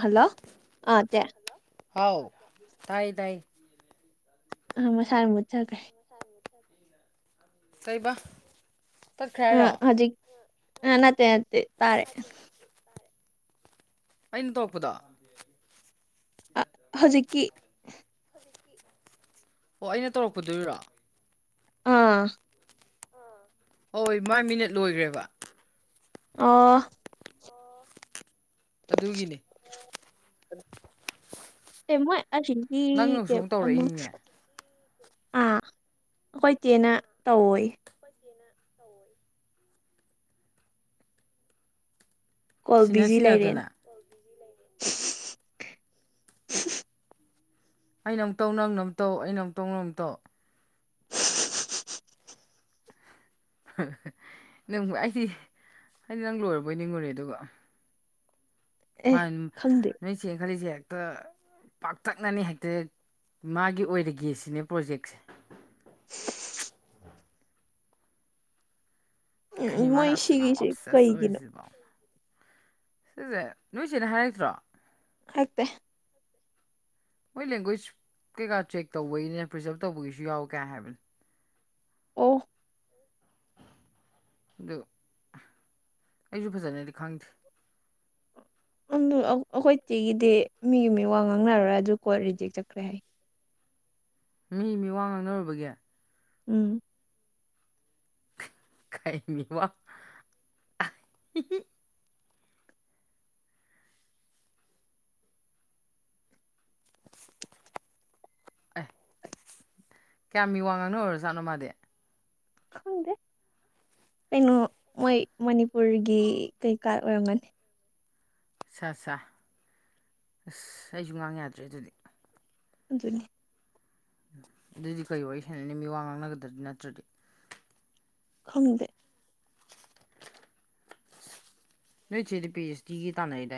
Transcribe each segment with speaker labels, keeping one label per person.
Speaker 1: Hello ꯑꯠꯇꯦ
Speaker 2: ꯍꯥꯎ ꯇꯥꯏ ꯇꯥꯏ
Speaker 1: ꯑ ꯃꯁꯔ ꯃ ꯆꯒꯦ
Speaker 2: ꯇꯏꯕ
Speaker 1: ꯑ ꯍꯧꯖꯤꯛ ꯅꯥꯟꯠꯇꯦ ꯅꯠꯇꯦ ꯇꯥꯔꯦ
Speaker 2: ꯑꯩꯅ ꯇꯣꯛꯄꯗ
Speaker 1: ꯑ ꯍꯧꯖꯤꯛꯀꯤ
Speaker 2: ꯑꯣ ꯑꯩꯅ ꯇꯧꯔꯛꯀꯗꯣꯔꯣ
Speaker 1: ꯑꯥ
Speaker 2: ꯍꯣꯏ ꯃꯥꯏ ꯃꯤꯅꯠ ꯂꯣꯏꯈ꯭ꯔꯦꯕ
Speaker 1: ꯑ
Speaker 2: ꯑꯗꯨꯒꯤꯅꯤ
Speaker 1: ꯑꯦ ꯃꯣꯏ ꯑꯖꯤ ꯀꯦ ꯑꯃꯨꯛ ꯑꯥ ꯑꯩꯈꯣꯏ ꯇꯦꯅ ꯇꯧꯋ ꯀꯣꯜ ꯕꯤꯖꯤ ꯂꯩꯔꯦꯟ
Speaker 2: ꯑꯩꯅ ꯑꯃꯨꯛꯇꯧ ꯅꯪ ꯅ ꯑꯃꯇꯧ ꯑꯩꯅ ꯑꯃꯨꯛꯇꯧ ꯅ ꯑꯃꯝꯇꯧ ꯅꯪ ꯑꯩꯗꯤ ꯍꯥꯏꯗꯤ ꯅꯪ ꯂꯣꯏꯔꯕꯣꯏ ꯅꯤꯡꯉꯨꯔꯦ ꯑꯗꯨꯒ ꯃꯥ ꯅꯣꯏ ꯆ ꯈꯁꯤ ꯍꯦꯛꯇ ꯄꯥꯛꯇꯛꯅꯅꯤ ꯍꯦꯛꯇ ꯃꯥꯒꯤ ꯑꯣꯏꯔꯒꯦ ꯁꯤꯅꯦ ꯄ꯭ꯔꯣꯖꯦꯛꯁꯦ ꯈ ꯃꯥꯅꯁꯨ ꯌꯥꯝ ꯑꯣꯞꯁꯦꯁ ꯑꯣꯏꯔꯤꯁꯤꯕ ꯁꯤꯁꯦ ꯅꯣꯏꯁꯤꯅ ꯍꯥꯏꯔꯛꯇ꯭ꯔꯣ
Speaker 1: ꯑꯠꯇ
Speaker 2: ꯃꯣꯏ ꯂꯦꯡꯒ꯭ꯋꯦꯖ ꯀꯩꯀꯥ ꯆꯦꯛ ꯇꯧꯕꯒꯤꯅꯦ ꯄ꯭ꯔꯤꯖꯥꯕ ꯇꯧꯕꯒꯤꯁꯨ ꯌꯥꯎꯋ ꯀꯥꯏ ꯍꯥꯏꯕꯅꯤ
Speaker 1: ꯑꯣ
Speaker 2: ꯑꯗꯨ ꯑꯩꯁꯨ ꯐꯖꯅꯗꯤ ꯈꯪꯗ
Speaker 1: ꯑꯗꯨ ꯑꯩꯈꯣꯏ ꯆꯤꯒꯤꯗꯤ ꯃꯤꯒꯤ ꯃꯤ ꯋꯥ ꯉꯥꯡꯅꯔꯣꯏ ꯑꯗꯨ ꯀꯣ ꯔꯤꯖꯦꯛ ꯆꯠꯈ꯭ꯔꯦ ꯍꯥꯏ
Speaker 2: ꯃꯤ ꯃꯤ ꯋꯥ ꯉꯥꯡꯅꯔꯨꯔꯕꯒꯦ
Speaker 1: ꯎꯝ
Speaker 2: ꯀꯥꯏꯅꯤ ꯋꯥ ꯑꯦ ꯀꯌꯥꯝ ꯃꯤ ꯋꯥ ꯉꯥꯡꯅꯣ ꯑꯣꯏꯔꯣꯖꯥꯠꯅꯣ ꯃꯥꯗꯤ
Speaker 1: ꯍꯪꯗꯦ ꯀꯩꯅꯣ ꯃꯣꯏ ꯃꯅꯤꯄꯨꯔꯒꯤ ꯀꯩꯀꯥ ꯑꯣꯏꯔꯝꯒꯅꯤ
Speaker 2: ꯑ ꯑꯁ ꯑꯩꯁꯨ ꯉꯥꯡ ꯌꯥꯗ꯭ꯔꯦ ꯑꯗꯨꯗꯤ
Speaker 1: ꯍꯖꯅꯤ
Speaker 2: ꯑꯗꯨꯗꯤ ꯀꯔꯤ ꯋꯥꯔꯤ ꯍꯦꯅꯅꯤ ꯃꯤ ꯋꯥ ꯉꯥꯡꯅꯒꯗ꯭ꯔꯗꯤ ꯅꯠꯇ꯭ꯔꯗꯤ
Speaker 1: ꯈꯪꯗ
Speaker 2: ꯅꯣꯏ ꯁꯤꯦꯗꯤ ꯄꯤꯁ ꯇ ꯇꯥꯟ ꯂꯩꯗ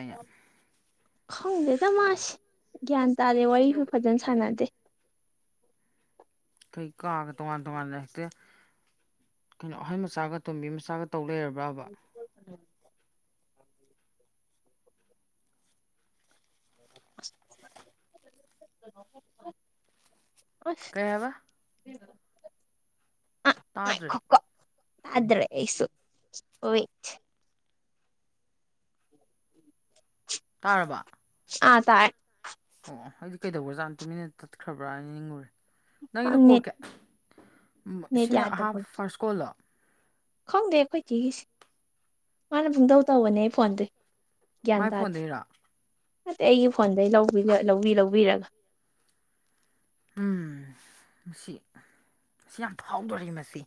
Speaker 1: ꯈꯪꯗꯦꯗ ꯃꯥꯁꯤ ꯒ꯭ꯌꯥꯟ ꯇꯥꯗꯦ ꯋꯥꯔꯤꯁꯨ ꯐꯖꯅ ꯁꯥꯟꯅꯗꯦ
Speaker 2: ꯀꯩ ꯀꯥꯒ ꯇꯣꯉꯥꯟ ꯇꯣꯉꯥꯟꯅ ꯍꯦꯛꯇꯦ ꯀꯩꯅꯣ ꯑꯍꯩ ꯃꯆꯥꯒ ꯇꯣꯝꯕꯤ ꯃꯆꯥꯒ ꯇꯧ ꯂꯩꯔꯕ꯭ꯔꯕ
Speaker 1: [inaudible] ꯑꯁ
Speaker 2: ꯇꯥꯗ꯭ꯔꯦ
Speaker 1: ꯑꯗ꯭ꯔꯦꯁꯨ ꯍ
Speaker 2: ꯇꯥꯔꯕ
Speaker 1: ꯑꯥ ꯇꯥꯏ
Speaker 2: ꯑꯣꯣꯏꯗꯤ ꯀꯩꯗꯧꯕ꯭ꯔꯥꯅ ꯇꯨꯃꯤꯟꯅ ꯇꯠꯈ꯭ꯔꯕ꯭ꯔꯥ ꯍꯥꯏꯅ ꯅꯤꯡꯉꯨꯔꯦ ꯅꯪꯅ ꯀꯣꯛꯜꯀꯦ ꯁꯤꯅ ꯑꯍꯥꯟꯕ ꯐꯥꯔꯁ ꯀꯣꯜꯂꯣ
Speaker 1: ꯈꯪꯗꯦ ꯑꯩꯈꯣꯏ ꯀꯤꯒꯤꯁꯤꯦ ꯃꯥꯅ ꯄꯨꯡꯗꯧ ꯇꯧꯕꯅꯦ ꯑꯩ ꯐꯣꯟꯗ
Speaker 2: ꯃꯥꯏ ꯐꯣꯟꯗꯒꯤꯔꯣ
Speaker 1: ꯑ ꯑꯩꯒꯤ ꯐꯣꯟꯗ ꯂꯧꯕꯤ ꯂꯧꯕꯤꯔꯒ
Speaker 2: ꯎꯝ ꯃꯁꯤ ꯁꯤ ꯌꯥꯝ ꯐꯥꯎꯗꯣꯔꯤ ꯃꯁꯤ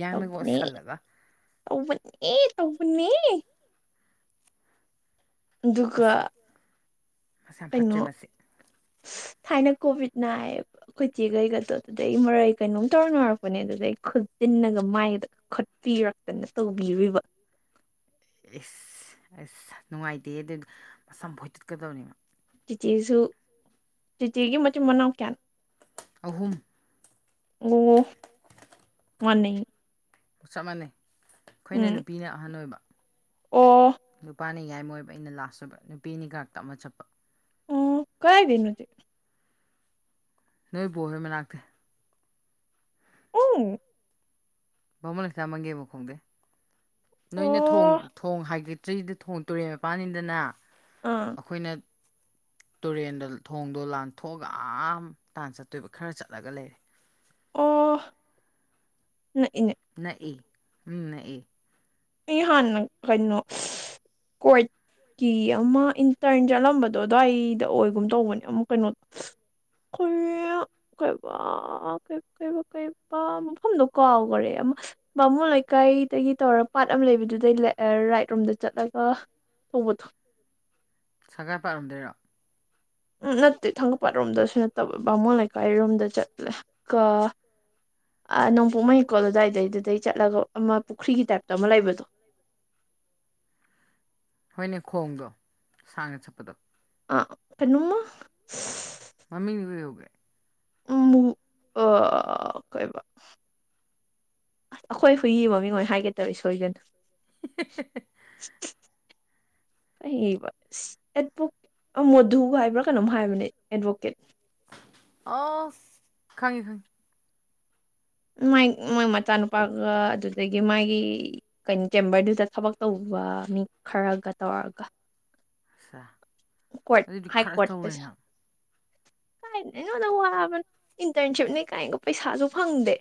Speaker 2: ꯌꯥ ꯃ ꯁꯜ ꯂꯒꯥ
Speaker 1: ꯇ ꯑꯦ ꯇꯅꯤ ꯑꯗꯨꯒꯨꯀ
Speaker 2: ꯃꯁ ꯌꯥꯝ ꯐꯠꯇ꯭ꯔꯦ ꯃꯁꯤ
Speaker 1: ꯎ ꯍꯥꯏꯅ ꯀꯣꯚꯤꯠ ꯅꯥꯏꯌꯦꯕ ꯑꯩꯈꯣꯏꯇꯤꯒꯩꯒꯗꯣ ꯑꯗꯨꯗ ꯑꯩ ꯃꯔꯩ ꯀꯩꯅꯣꯝ ꯇꯧꯔꯅꯔꯛꯄꯅꯦ ꯑꯗꯨꯗ ꯑꯩ ꯄꯨꯟꯅꯒ ꯃꯥꯏꯗ ꯈꯣꯠꯄꯤꯔꯛꯇꯅ ꯇꯧꯕꯤꯔꯤꯕ
Speaker 2: ꯑꯦꯁ ꯑꯁ ꯅꯨꯡꯉꯥꯏꯇꯦ ꯑꯗꯨ ꯃꯝ ꯐꯣꯏꯇꯠꯀꯗꯕꯅꯦꯕ
Speaker 1: ꯆꯤꯆꯤꯁꯨ ꯆꯤꯆꯒꯤ ꯃꯆꯦ ꯃꯅꯥ ꯀꯌꯥꯦꯟ ꯑꯣ ꯃꯥꯅꯦ
Speaker 2: ꯆꯞ ꯃꯥꯟꯅꯩ ꯑꯩꯈꯣꯏꯅ ꯅꯨꯄꯤꯅ ꯑꯍꯟ ꯑꯣꯏꯕ
Speaker 1: ꯑꯣ
Speaker 2: ꯌꯥꯏꯃꯣꯏꯕ ꯑꯩꯅ ꯂꯥꯁ ꯑꯣꯏꯕ ꯅꯨꯄꯤ ꯑꯅꯤ ꯀꯥꯛꯛꯇ ꯑꯃ ꯆꯠꯄ
Speaker 1: ꯑꯣ ꯀꯥꯏ ꯅꯖꯤ
Speaker 2: ꯅꯣꯏ ꯕꯣꯍꯦ ꯃꯅꯥ ꯀꯦ
Speaker 1: ꯎ
Speaker 2: ꯕꯃꯟ ꯍꯛꯇ ꯃꯪꯒꯦꯕ ꯈꯣꯡꯗꯦ ꯅꯣꯏꯅ ꯊ ꯊꯣꯡ ꯍꯥꯏꯒꯗꯤ ꯆꯩꯗ ꯊꯣꯡ ꯇꯨꯔꯦꯟ ꯃꯄꯅꯤꯗꯅ ꯑꯩꯈꯣꯏꯅ
Speaker 1: [inaudible]
Speaker 2: ꯇꯨꯔꯦꯟꯗ ꯊꯣꯡꯗꯣ ꯂꯥꯟꯊꯣꯛꯑꯒ ꯑ ꯇꯥꯟ ꯆꯠꯇꯣꯏꯕ ꯈꯔ ꯆꯠꯂꯒ ꯂꯩꯔꯦ
Speaker 1: ꯑꯣ
Speaker 2: ꯅ ꯑꯦ ꯎꯝ ꯅ ꯑꯦ
Speaker 1: ꯏꯍꯥꯟꯅ ꯀꯩꯅꯣ ꯀꯣꯏ ꯀꯤ ꯑꯃ ꯏꯟꯇꯔꯟ ꯆꯠꯂꯝꯕꯗꯣ ꯑꯗꯨ꯭ꯋꯥꯏꯗ ꯑꯣꯏꯒꯨꯝ ꯇꯧꯕꯅꯦ ꯑꯃꯨꯛ ꯀꯩꯅꯣꯗꯣ ꯀ ꯀꯩ ꯀ ꯀ ꯀꯩ ꯃꯐꯝꯐꯝꯗꯨ ꯀꯥꯎꯈꯔꯦ ꯕꯥꯝꯃꯨ ꯂꯩꯀꯥꯏ ꯇꯗꯒꯤ ꯇꯧꯔꯄ ꯄꯥꯠ ꯑꯃ ꯂꯩꯕꯗꯨꯗꯩ ꯔꯥꯏꯠ ꯔꯣꯝꯗ ꯆꯠꯂꯒ ꯊꯧꯕꯗꯣ
Speaker 2: ꯁꯪꯒꯥꯏ ꯄꯥꯠꯂꯝꯝꯗꯣꯏꯔꯣ
Speaker 1: ꯎꯝ ꯅꯠꯇꯦ ꯊꯥꯡꯒꯄꯥꯠ ꯔꯣꯝꯗꯁꯨ ꯅꯠꯇꯕ ꯕꯥꯃꯣꯟ ꯂꯩꯀꯥꯏꯔꯣꯝꯗ ꯆꯠꯂꯦ ꯀ ꯑ ꯅꯣꯡꯄꯣꯛ ꯃꯍꯀꯣ ꯑꯗꯨꯋꯥꯏꯗꯩꯗꯨꯗꯩ ꯆꯠꯂꯒ ꯑꯃ ꯄꯨꯈ꯭ꯔꯤꯒꯤ ꯇꯥꯏꯞꯇ ꯑꯃ ꯂꯩꯕꯗꯣ [unintelligible]
Speaker 2: ꯍꯣꯏꯅꯦ ꯈꯣꯡꯗꯣ ꯁꯥꯡꯅ ꯆꯠꯄꯗ
Speaker 1: ꯑ ꯀꯩꯅꯨꯃ
Speaker 2: ꯃꯃꯤꯟ ꯕꯨ ꯀꯔꯤ ꯀꯧꯒꯦ
Speaker 1: ꯎꯝ ꯑ ꯀꯔꯤꯕ ꯑꯁ ꯑꯩꯈꯣꯏ ꯍꯨꯏ ꯃꯃꯤꯡ ꯑꯣꯏꯅ ꯍꯥꯏꯒꯦ ꯇꯧ ꯏꯁ ꯁꯣꯏꯗꯅ
Speaker 2: [unintelligible]
Speaker 1: ꯑ ꯏ ꯕꯥ ꯑꯦꯕꯨ ꯃꯣꯙꯨ ꯍꯥꯏꯕ꯭ꯔꯥ ꯀꯩꯅꯣꯝ ꯍꯥꯏꯕꯅꯦ ꯑꯦꯗꯚꯣꯀꯦꯠ
Speaker 2: ꯑꯣ ꯈꯪꯉꯤ ꯈꯪꯉꯤ
Speaker 1: ꯃꯥꯏ ꯃꯣꯏ ꯃꯆꯥꯅꯨꯄꯥꯒ ꯑꯗꯨꯗꯒꯤ ꯃꯥꯒꯤ ꯀꯩꯅꯣ ꯆꯦꯝꯕꯔꯗꯨꯗ ꯊꯕꯛ ꯇꯧꯕ ꯃꯤ ꯈꯔꯒ ꯇꯧꯔꯒ ꯍꯣꯏ ꯍꯏꯏ ꯀꯇꯁ ꯀꯥꯏꯅ ꯅꯉꯣꯟꯗ ꯋꯥꯕꯅ ꯏꯟꯇꯔꯟꯁꯤꯞꯅꯦ ꯀꯥꯏꯒꯣ ꯄꯩꯁꯥꯁꯨ ꯐꯪꯗꯦ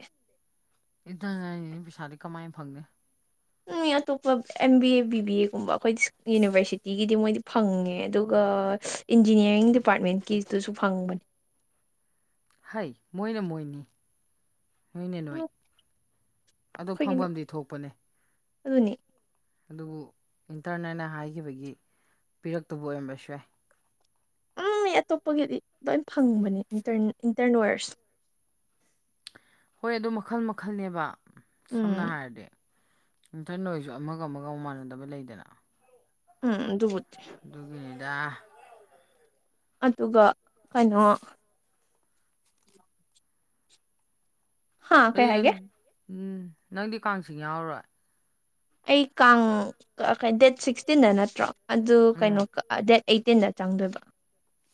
Speaker 2: ꯏꯗ ꯄꯩ ꯁꯥꯥꯗꯦ ꯀꯃꯥꯏ ꯐꯪꯒꯅꯤ
Speaker 1: ꯃꯤ ꯑꯇꯣꯞꯄ M B A B B ꯑꯦꯒꯨꯝꯕ ꯑꯩꯈꯣꯏ ꯌꯨꯅꯤꯚꯔꯁꯤꯇꯤꯒꯤꯗꯤ ꯃꯣꯏꯗꯤ ꯐꯪꯉꯦ ꯑꯗꯨꯒ ꯏꯟꯖꯤꯅꯤꯌꯥꯔꯤꯡ ꯗꯤꯄꯥꯔꯠꯃꯦꯟꯀꯤꯗꯨꯁꯨ ꯐꯪꯕꯅꯤ
Speaker 2: ꯍꯏ ꯃꯣꯏꯅ ꯃꯣꯏꯅꯤ ꯍꯣꯏ ꯅꯣꯏ ꯅ ꯅꯣꯏ ꯑꯗꯣ ꯐꯪꯐꯝꯗꯤ ꯊꯣꯛꯄꯅꯦ
Speaker 1: ꯑꯗꯨꯅꯦ
Speaker 2: ꯑꯗꯨꯕꯨ ꯏꯟꯇꯔꯅꯦꯠꯅ ꯍꯥꯏꯈꯤꯕꯒꯤ ꯄꯤꯔꯛꯇꯕ ꯑꯣꯏꯔꯝꯕꯁꯨ ꯌꯥꯏ
Speaker 1: ꯎꯝ ꯑꯇꯣꯞꯄꯒꯤꯗꯤ ꯂꯣꯏ ꯐꯪꯕꯅꯦ ꯏꯟꯇꯔꯅꯔꯁ
Speaker 2: ꯍꯣꯏ ꯑꯗꯨ ꯃꯈꯜ ꯃꯈꯜꯅꯦꯕ ꯁꯝꯅ ꯍꯥꯏꯔꯗꯤ ꯅꯨꯡꯊꯜ ꯅꯣꯏꯁꯨ ꯑꯃꯒ ꯑꯃꯒ ꯃꯥꯟꯅꯗꯕ ꯂꯩꯗꯅ
Speaker 1: ꯎꯝ ꯗꯨꯕꯨ
Speaker 2: ꯑꯗꯨꯒꯤꯅꯤꯗ
Speaker 1: ꯑꯗꯨꯒ ꯀꯩꯅꯣ ꯍꯥꯥ ꯀꯩ ꯍꯥꯏꯒꯦ
Speaker 2: ꯎꯝ ꯅꯪꯗꯤ ꯀꯥꯡꯆꯤꯡ ꯌꯥꯎꯔꯔꯣꯏ
Speaker 1: ꯑꯩ ꯀꯥꯡ ꯗꯦꯠ ꯁꯤꯛꯁꯇꯤꯟꯗ ꯅꯠꯇ꯭ꯔꯣ ꯑꯗꯨ ꯀꯩꯅꯣ ꯗꯦꯠ ꯑꯩꯠꯇꯤꯟꯗ ꯆꯪꯗꯣꯏꯕ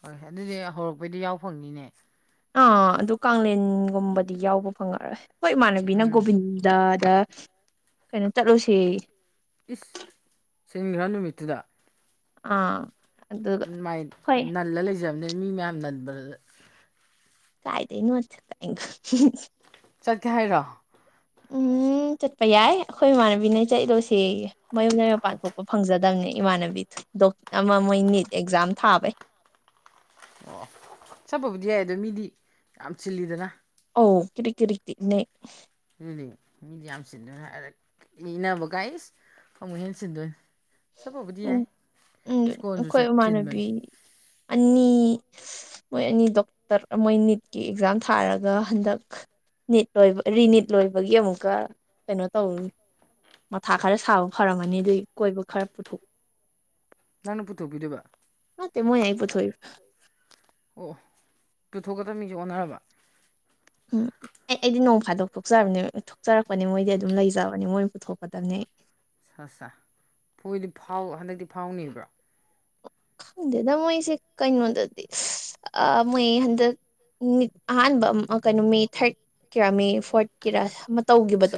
Speaker 2: ꯍꯣꯏ ꯑꯗꯨꯗꯤ ꯍꯧꯔꯛꯄꯩꯗꯤ ꯌꯥꯎ ꯐꯪꯅꯤꯅꯦ
Speaker 1: ꯑꯥ ꯑꯗꯨ ꯀꯦꯟꯒꯨꯝꯕꯗꯤ ꯌꯥꯎꯕ ꯐꯪꯉꯔꯣꯏ ꯍꯣꯏ ꯏꯃꯥꯟꯅꯕꯤꯅ ꯒꯣꯕꯤꯟꯗ ꯑꯗ ꯀꯩꯅꯣ ꯆꯠꯂꯨꯁ
Speaker 2: ꯏꯁ ꯁꯤꯟꯒ꯭ꯔ ꯅꯨꯃꯤꯠꯇꯨꯗ
Speaker 1: ꯑꯥ
Speaker 2: ꯃꯥꯏ ꯅꯜꯂ ꯂꯩꯖꯕꯅꯤ ꯃꯤ ꯃꯌꯥꯝ ꯅꯜꯕꯗ
Speaker 1: ꯀꯥꯏꯗ ꯅꯣ ꯆꯠꯅꯤꯟ
Speaker 2: ꯆꯠꯀꯦ ꯍꯥꯏꯔꯣ
Speaker 1: ꯎꯝ ꯆꯠꯄ ꯌꯥꯏ ꯑꯩꯈꯣꯏ ꯏꯃꯥꯟꯅꯕꯤꯅ ꯆꯠꯂꯤꯂꯣꯁꯦ ꯃꯌꯨꯝ ꯂꯩ ꯃꯄꯥꯟ ꯊꯣꯛꯄ ꯐꯪꯖꯗꯕꯅꯤ ꯏꯃꯥꯟꯅꯕꯤꯗ ꯑꯃ ꯃꯣꯏ ꯅꯤꯠ ꯑꯦꯛꯖꯥꯝ ꯊꯥꯕꯩ
Speaker 2: ꯑꯣ ꯆꯠꯄꯕꯨꯗꯤ ꯌꯥꯏ ꯑꯗꯣ ꯃꯤꯗꯤ ꯌꯥꯝ ꯆꯤꯜꯂꯤꯗꯅ
Speaker 1: ꯑꯣ ꯀꯤꯔꯤ ꯀꯤꯔꯤ
Speaker 2: ꯑꯗꯨꯗꯤ ꯃꯤꯗꯤ ꯌꯥꯝ ꯁꯤꯟꯗꯣꯏꯅꯤ ꯍꯥꯏꯗ ꯏꯅꯕꯒꯥꯏꯁ ꯑꯃꯨꯛ ꯍꯦꯟ ꯁꯤꯟꯗꯣꯏꯅꯤ ꯁꯞꯄꯕꯨꯗꯤ ꯌꯥꯏ ꯏꯁ꯭ꯀꯣꯟꯜꯁꯨ ꯆꯠꯆꯤꯟꯕꯅꯦ
Speaker 1: ꯑꯅꯤ ꯃꯣꯏ ꯑꯅꯤ ꯗꯣꯛꯇꯔ ꯃꯣꯏ ꯅꯤꯠꯀꯤ ꯑꯦꯛꯖꯥꯝ ꯊꯥꯔꯒ ꯍꯟꯗꯛ ꯅꯤꯠ ꯂꯣꯏꯕ ꯔꯤꯅꯤꯠ ꯂꯣꯏꯕꯒꯤ ꯑꯃꯨꯛꯀ ꯀꯩꯅꯣ ꯇꯧꯏ ꯃꯊꯥ ꯈꯔ ꯁꯥꯕ ꯐꯔꯝꯃꯅꯤ ꯑꯗꯨ ꯀꯣꯏꯕ ꯈꯔ ꯄꯨꯊꯣꯛꯎ ꯍꯥ ꯇ ꯃꯣꯏ ꯑꯕꯨꯊꯣꯏ
Speaker 2: ꯑꯣ ꯇꯨꯊꯣꯛꯀꯗꯕ ꯃꯤꯁꯦ ꯑꯣꯟꯅꯔꯕ
Speaker 1: ꯎꯝ ꯑꯦ ꯑꯩꯗꯤ ꯅꯣꯡ ꯐꯥꯗꯣꯛ ꯊꯣꯛꯆꯅꯤ ꯊꯣꯛꯆꯔꯛꯄꯅꯦ ꯃꯣꯏꯗꯤ ꯑꯗꯨꯝ ꯂꯩꯖꯕꯅꯤ ꯃꯣꯏ ꯄꯨꯊꯣꯛꯀꯗꯕꯅꯤ ꯑꯩ
Speaker 2: ꯁ ꯐꯣꯏꯗꯤ ꯐꯥꯎ ꯍꯟꯗꯛꯇꯤ ꯐꯥꯎꯅꯦꯕ꯭ꯔꯣ
Speaker 1: ꯈꯪꯗꯦꯗ ꯃꯣꯏꯁꯦ ꯀꯩꯅꯣꯗꯗꯤ ꯑ ꯃꯣꯏ ꯍꯟꯗꯛ ꯠ ꯑꯍꯥꯟꯕ ꯀꯩꯅꯣ ꯃꯤ ꯊꯥꯔꯠ ꯀꯦꯔꯥ ꯃꯤ ꯐꯣꯔꯠ ꯀꯦꯔꯥ ꯇꯧꯈꯤꯕꯗꯣ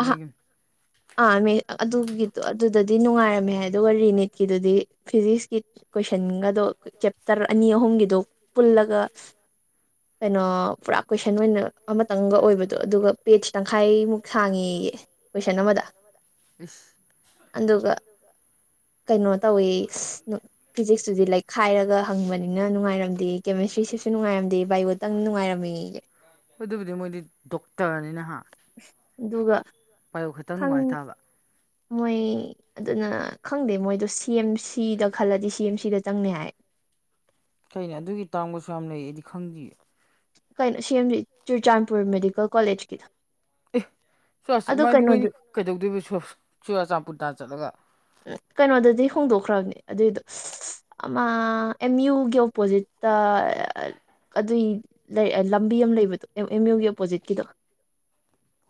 Speaker 1: ꯑꯍꯥ ꯑꯥ ꯑꯗꯨꯒꯤꯗꯣ ꯑꯗꯨꯗꯗꯤ ꯅꯨꯡꯉꯥꯏꯔꯝꯃꯦ ꯍꯥꯏ ꯑꯗꯨꯒ ꯔꯤꯅꯤꯠꯀꯤꯗꯨꯗꯤ ꯐꯤꯖꯤꯛꯁꯀꯤ ꯀꯣꯏꯁꯟꯒꯗꯣ ꯆꯦꯞꯇꯔ ꯑꯅꯤ ꯑꯍꯨꯝꯒꯤꯗꯣ ꯄꯨꯜꯂꯒ ꯀꯩꯅꯣ ꯄꯨꯔꯥ ꯀꯣꯏꯁꯟ ꯑꯣꯏꯅ ꯑꯃꯇꯪꯒ ꯑꯣꯏꯕ ꯑꯗꯣ ꯑꯗꯨꯒ ꯄꯦꯖ ꯇꯪꯈꯥꯏꯃꯨꯛ ꯁꯥꯡꯉꯤꯌꯦ ꯀꯣꯏꯁꯟ ꯑꯃꯗ ꯑꯗꯨꯒ ꯀꯩꯅꯣ ꯇꯧꯋꯦ ꯐꯤꯖꯤꯛꯁꯇꯨꯗꯤ ꯂꯥꯏꯛꯈꯥꯏꯔꯒ ꯍꯪꯕꯅꯤꯅ ꯅꯨꯡꯉꯥꯏꯔꯝꯗꯦ ꯀꯦꯃꯦꯁꯇ꯭ꯔꯤꯁꯤꯁꯨ ꯅꯨꯡꯉꯥꯏꯔꯝꯗꯦ ꯕꯥꯏ ꯈꯤꯇꯪ ꯅꯨꯡꯉꯥꯏꯔꯝꯃꯤꯁꯦ
Speaker 2: ꯑꯗꯨ ꯑꯗꯨꯕꯨꯗꯤ ꯃꯣꯏꯗꯤ ꯗꯣꯛꯇꯔꯅꯤꯅꯍ
Speaker 1: ꯑꯗꯨꯒꯒ
Speaker 2: ꯄꯥꯏꯌꯣꯛ ꯈꯛꯇꯪ ꯅꯨꯡꯉꯥꯏꯇꯥꯕ
Speaker 1: ꯃꯣꯏ ꯑꯗꯨꯅ ꯈꯪꯗꯦ ꯃꯣꯏꯗꯣ ꯁꯤ ꯑꯦꯝ ꯁꯤꯗ ꯈꯜꯂꯗꯤ ꯁꯤ ꯑꯦꯝ ꯁꯤꯗ ꯆꯪꯅ ꯍꯥꯏ [unintelligible]
Speaker 2: ꯀꯅꯦ ꯑꯗꯨꯒꯤ ꯇꯥꯡꯕꯁꯨ ꯌꯥꯝ ꯂꯩ ꯑꯩꯗꯤ ꯈꯪꯗ꯭
Speaker 1: ꯀꯩꯅꯣ ꯁꯦꯝꯂꯤ ꯆꯨꯔꯆꯥꯟꯄꯨꯔ ꯃꯦꯗꯤꯀꯦꯜ ꯀꯣꯂꯦꯖꯀꯤꯗ
Speaker 2: ꯑꯦꯗꯤ ꯃꯣꯏꯅꯤ ꯀꯩꯗꯧꯗꯣꯏꯕ ꯁꯨꯔ ꯆꯄꯨꯟ ꯇꯥ ꯆꯠꯂꯒ
Speaker 1: ꯎꯝ ꯀꯩꯅꯣꯗꯗꯤ ꯍꯣꯡꯗꯣꯛꯈ꯭ꯔꯕꯅꯦ ꯑꯗꯨꯏꯗꯣ ꯑꯃ ꯑꯦꯝ ꯌꯨꯒꯤ ꯑꯣꯄꯣꯖꯤꯠꯇ ꯑꯗꯨꯏ ꯂꯝꯕꯤ ꯑꯃ ꯂꯩꯕꯗꯣ ꯑꯦꯝ ꯌꯨꯒꯤ ꯑꯣꯄꯣꯖꯤꯠꯀꯤꯗꯣ